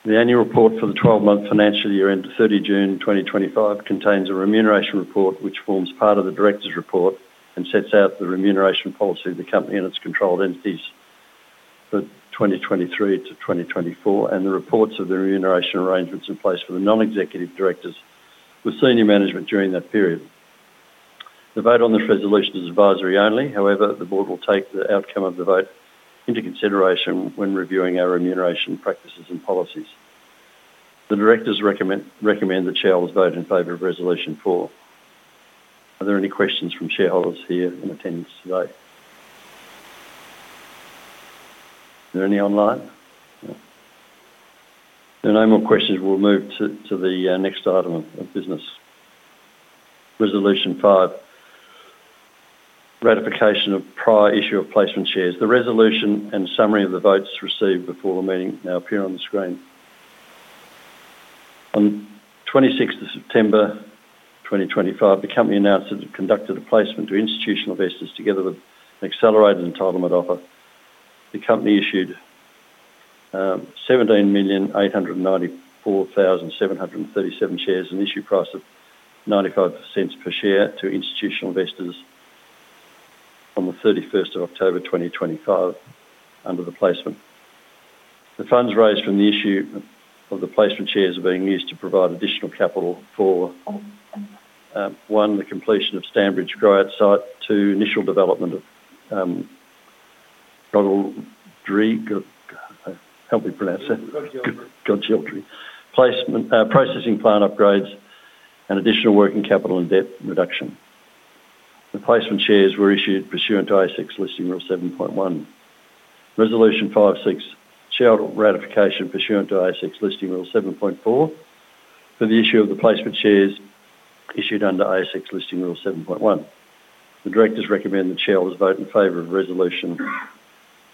The annual report for the 12-month financial year end to 30 June 2025 contains a remuneration report which forms part of the director's report and sets out the remuneration policy of the company and its controlled entities for 2023-2024 and the reports of the remuneration arrangements in place for the non-executive directors with senior management during that period. The vote on this resolution is advisory only. However, the board will take the outcome of the vote into consideration when reviewing our remuneration practices and policies. The directors recommend that shareholders vote in favor of resolution four. Are there any questions from shareholders here in attendance today? Are there any online? If there are no more questions, we'll move to the next item of business, resolution five, ratification of prior issue of placement shares. The resolution and summary of the votes received before the meeting now appear on the screen. On 26th of September 2025, the company announced that it conducted a placement to institutional investors together with an accelerated entitlement offer. The company issued 17,894,737 shares, at an issue price of 0.95 per share to institutional investors on the 31st of October 2025 under the placement. The funds raised from the issue of the placement shares are being used to provide additional capital for, one, the completion of Stanbridge Grant site, two, initial development of Gajildri placement, processing plant upgrades, and additional working capital and debt reduction. The placement shares were issued pursuant to ASX listing rule 7.1. Resolution five six shareholder ratification pursuant to ASX listing rule 7.4 for the issue of the placement shares issued under ASX listing rule 7.1. The directors recommend that shareholders vote in favor of resolution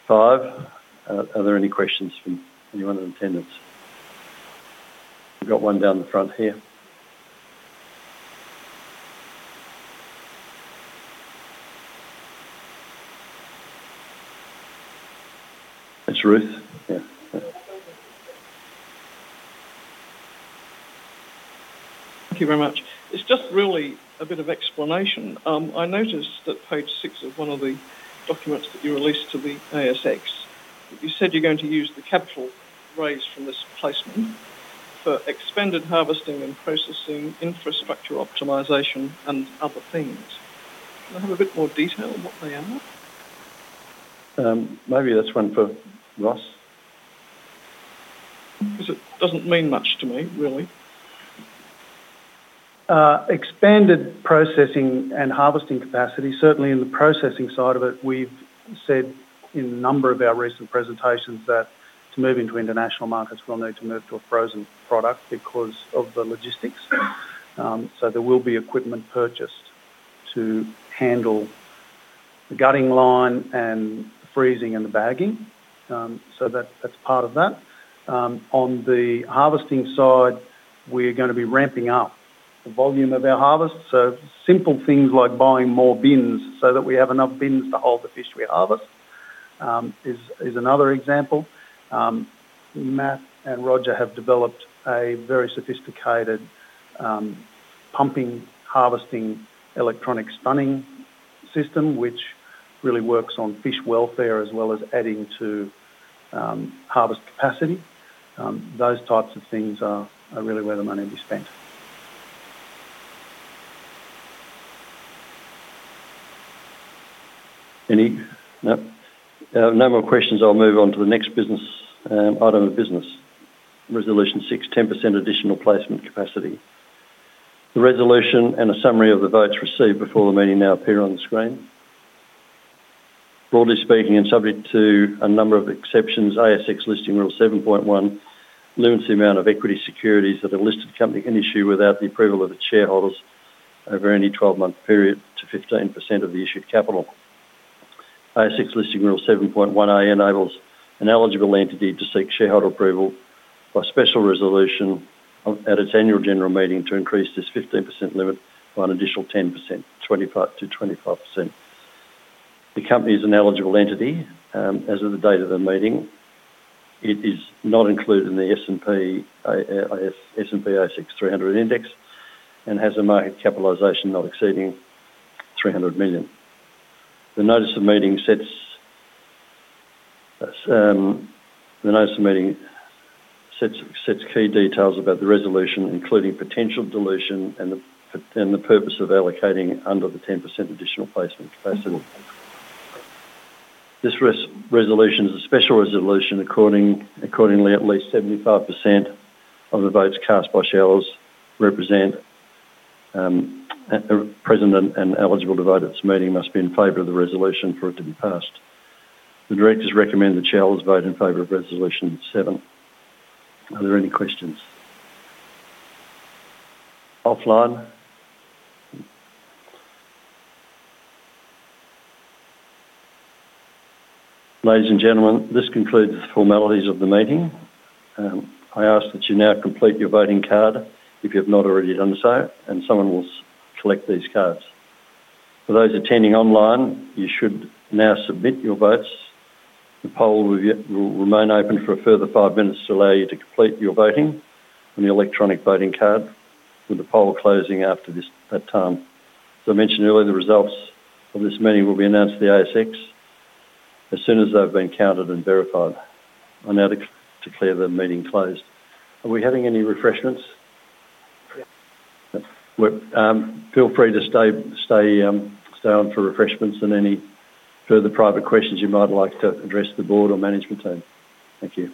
five. Are there any questions from anyone in attendance? We've got one down the front here. That's Ruth. Yeah. Thank you very much. It's just really a bit of explanation. I noticed that page six of one of the documents that you released to the ASX, you said you're going to use the capital raised from this placement for expanded harvesting and processing, infrastructure optimization, and other things. Can I have a bit more detail on what they are? Maybe that's one for Ross. Because it doesn't mean much to me, really. Expanded processing and harvesting capacity, certainly in the processing side of it, we've said in a number of our recent presentations that to move into international markets, we'll need to move to a frozen product because of the logistics. There will be equipment purchased to handle the gutting line and freezing and the bagging. That's part of that. On the harvesting side, we're going to be ramping up the volume of our harvest. Simple things like buying more bins so that we have enough bins to hold the fish we harvest is another example. Matt and Roger have developed a very sophisticated pumping harvesting electronic stunning system, which really works on fish welfare as well as adding to harvest capacity. Those types of things are really where the money will be spent. Any? No? No more questions. I'll move on to the next business item of business, resolution six, 10% additional placement capacity. The resolution and a summary of the votes received before the meeting now appear on the screen. Broadly speaking, and subject to a number of exceptions, ASX listing rule 7.1 limits the amount of equity securities that a listed company can issue without the approval of its shareholders over any 12-month period to 15% of the issued capital. ASX listing rule 7.1A enables an eligible entity to seek shareholder approval by special resolution at its annual general meeting to increase this 15% limit by an additional 10%-25%. The company is an eligible entity as of the date of the meeting. It is not included in the S&P ASX 300 index and has a market capitalization not exceeding 300 million. The notice of meeting sets key details about the resolution, including potential dilution and the purpose of allocating under the 10% additional placement capacity. This resolution is a special resolution. Accordingly, at least 75% of the votes cast by shareholders present and eligible to vote at this meeting must be in favor of the resolution for it to be passed. The directors recommend that shareholders vote in favor of resolution seven. Are there any questions? Offline. Ladies and gentlemen, this concludes the formalities of the meeting. I ask that you now complete your voting card if you have not already done so, and someone will collect these cards. For those attending online, you should now submit your votes. The poll will remain open for a further five minutes to allow you to complete your voting on the electronic voting card with the poll closing after that time. As I mentioned earlier, the results of this meeting will be announced to the ASX as soon as they've been counted and verified. I now declare the meeting closed. Are we having any refreshments? Feel free to stay on for refreshments and any further private questions you might like to address the board or management team. Thank you.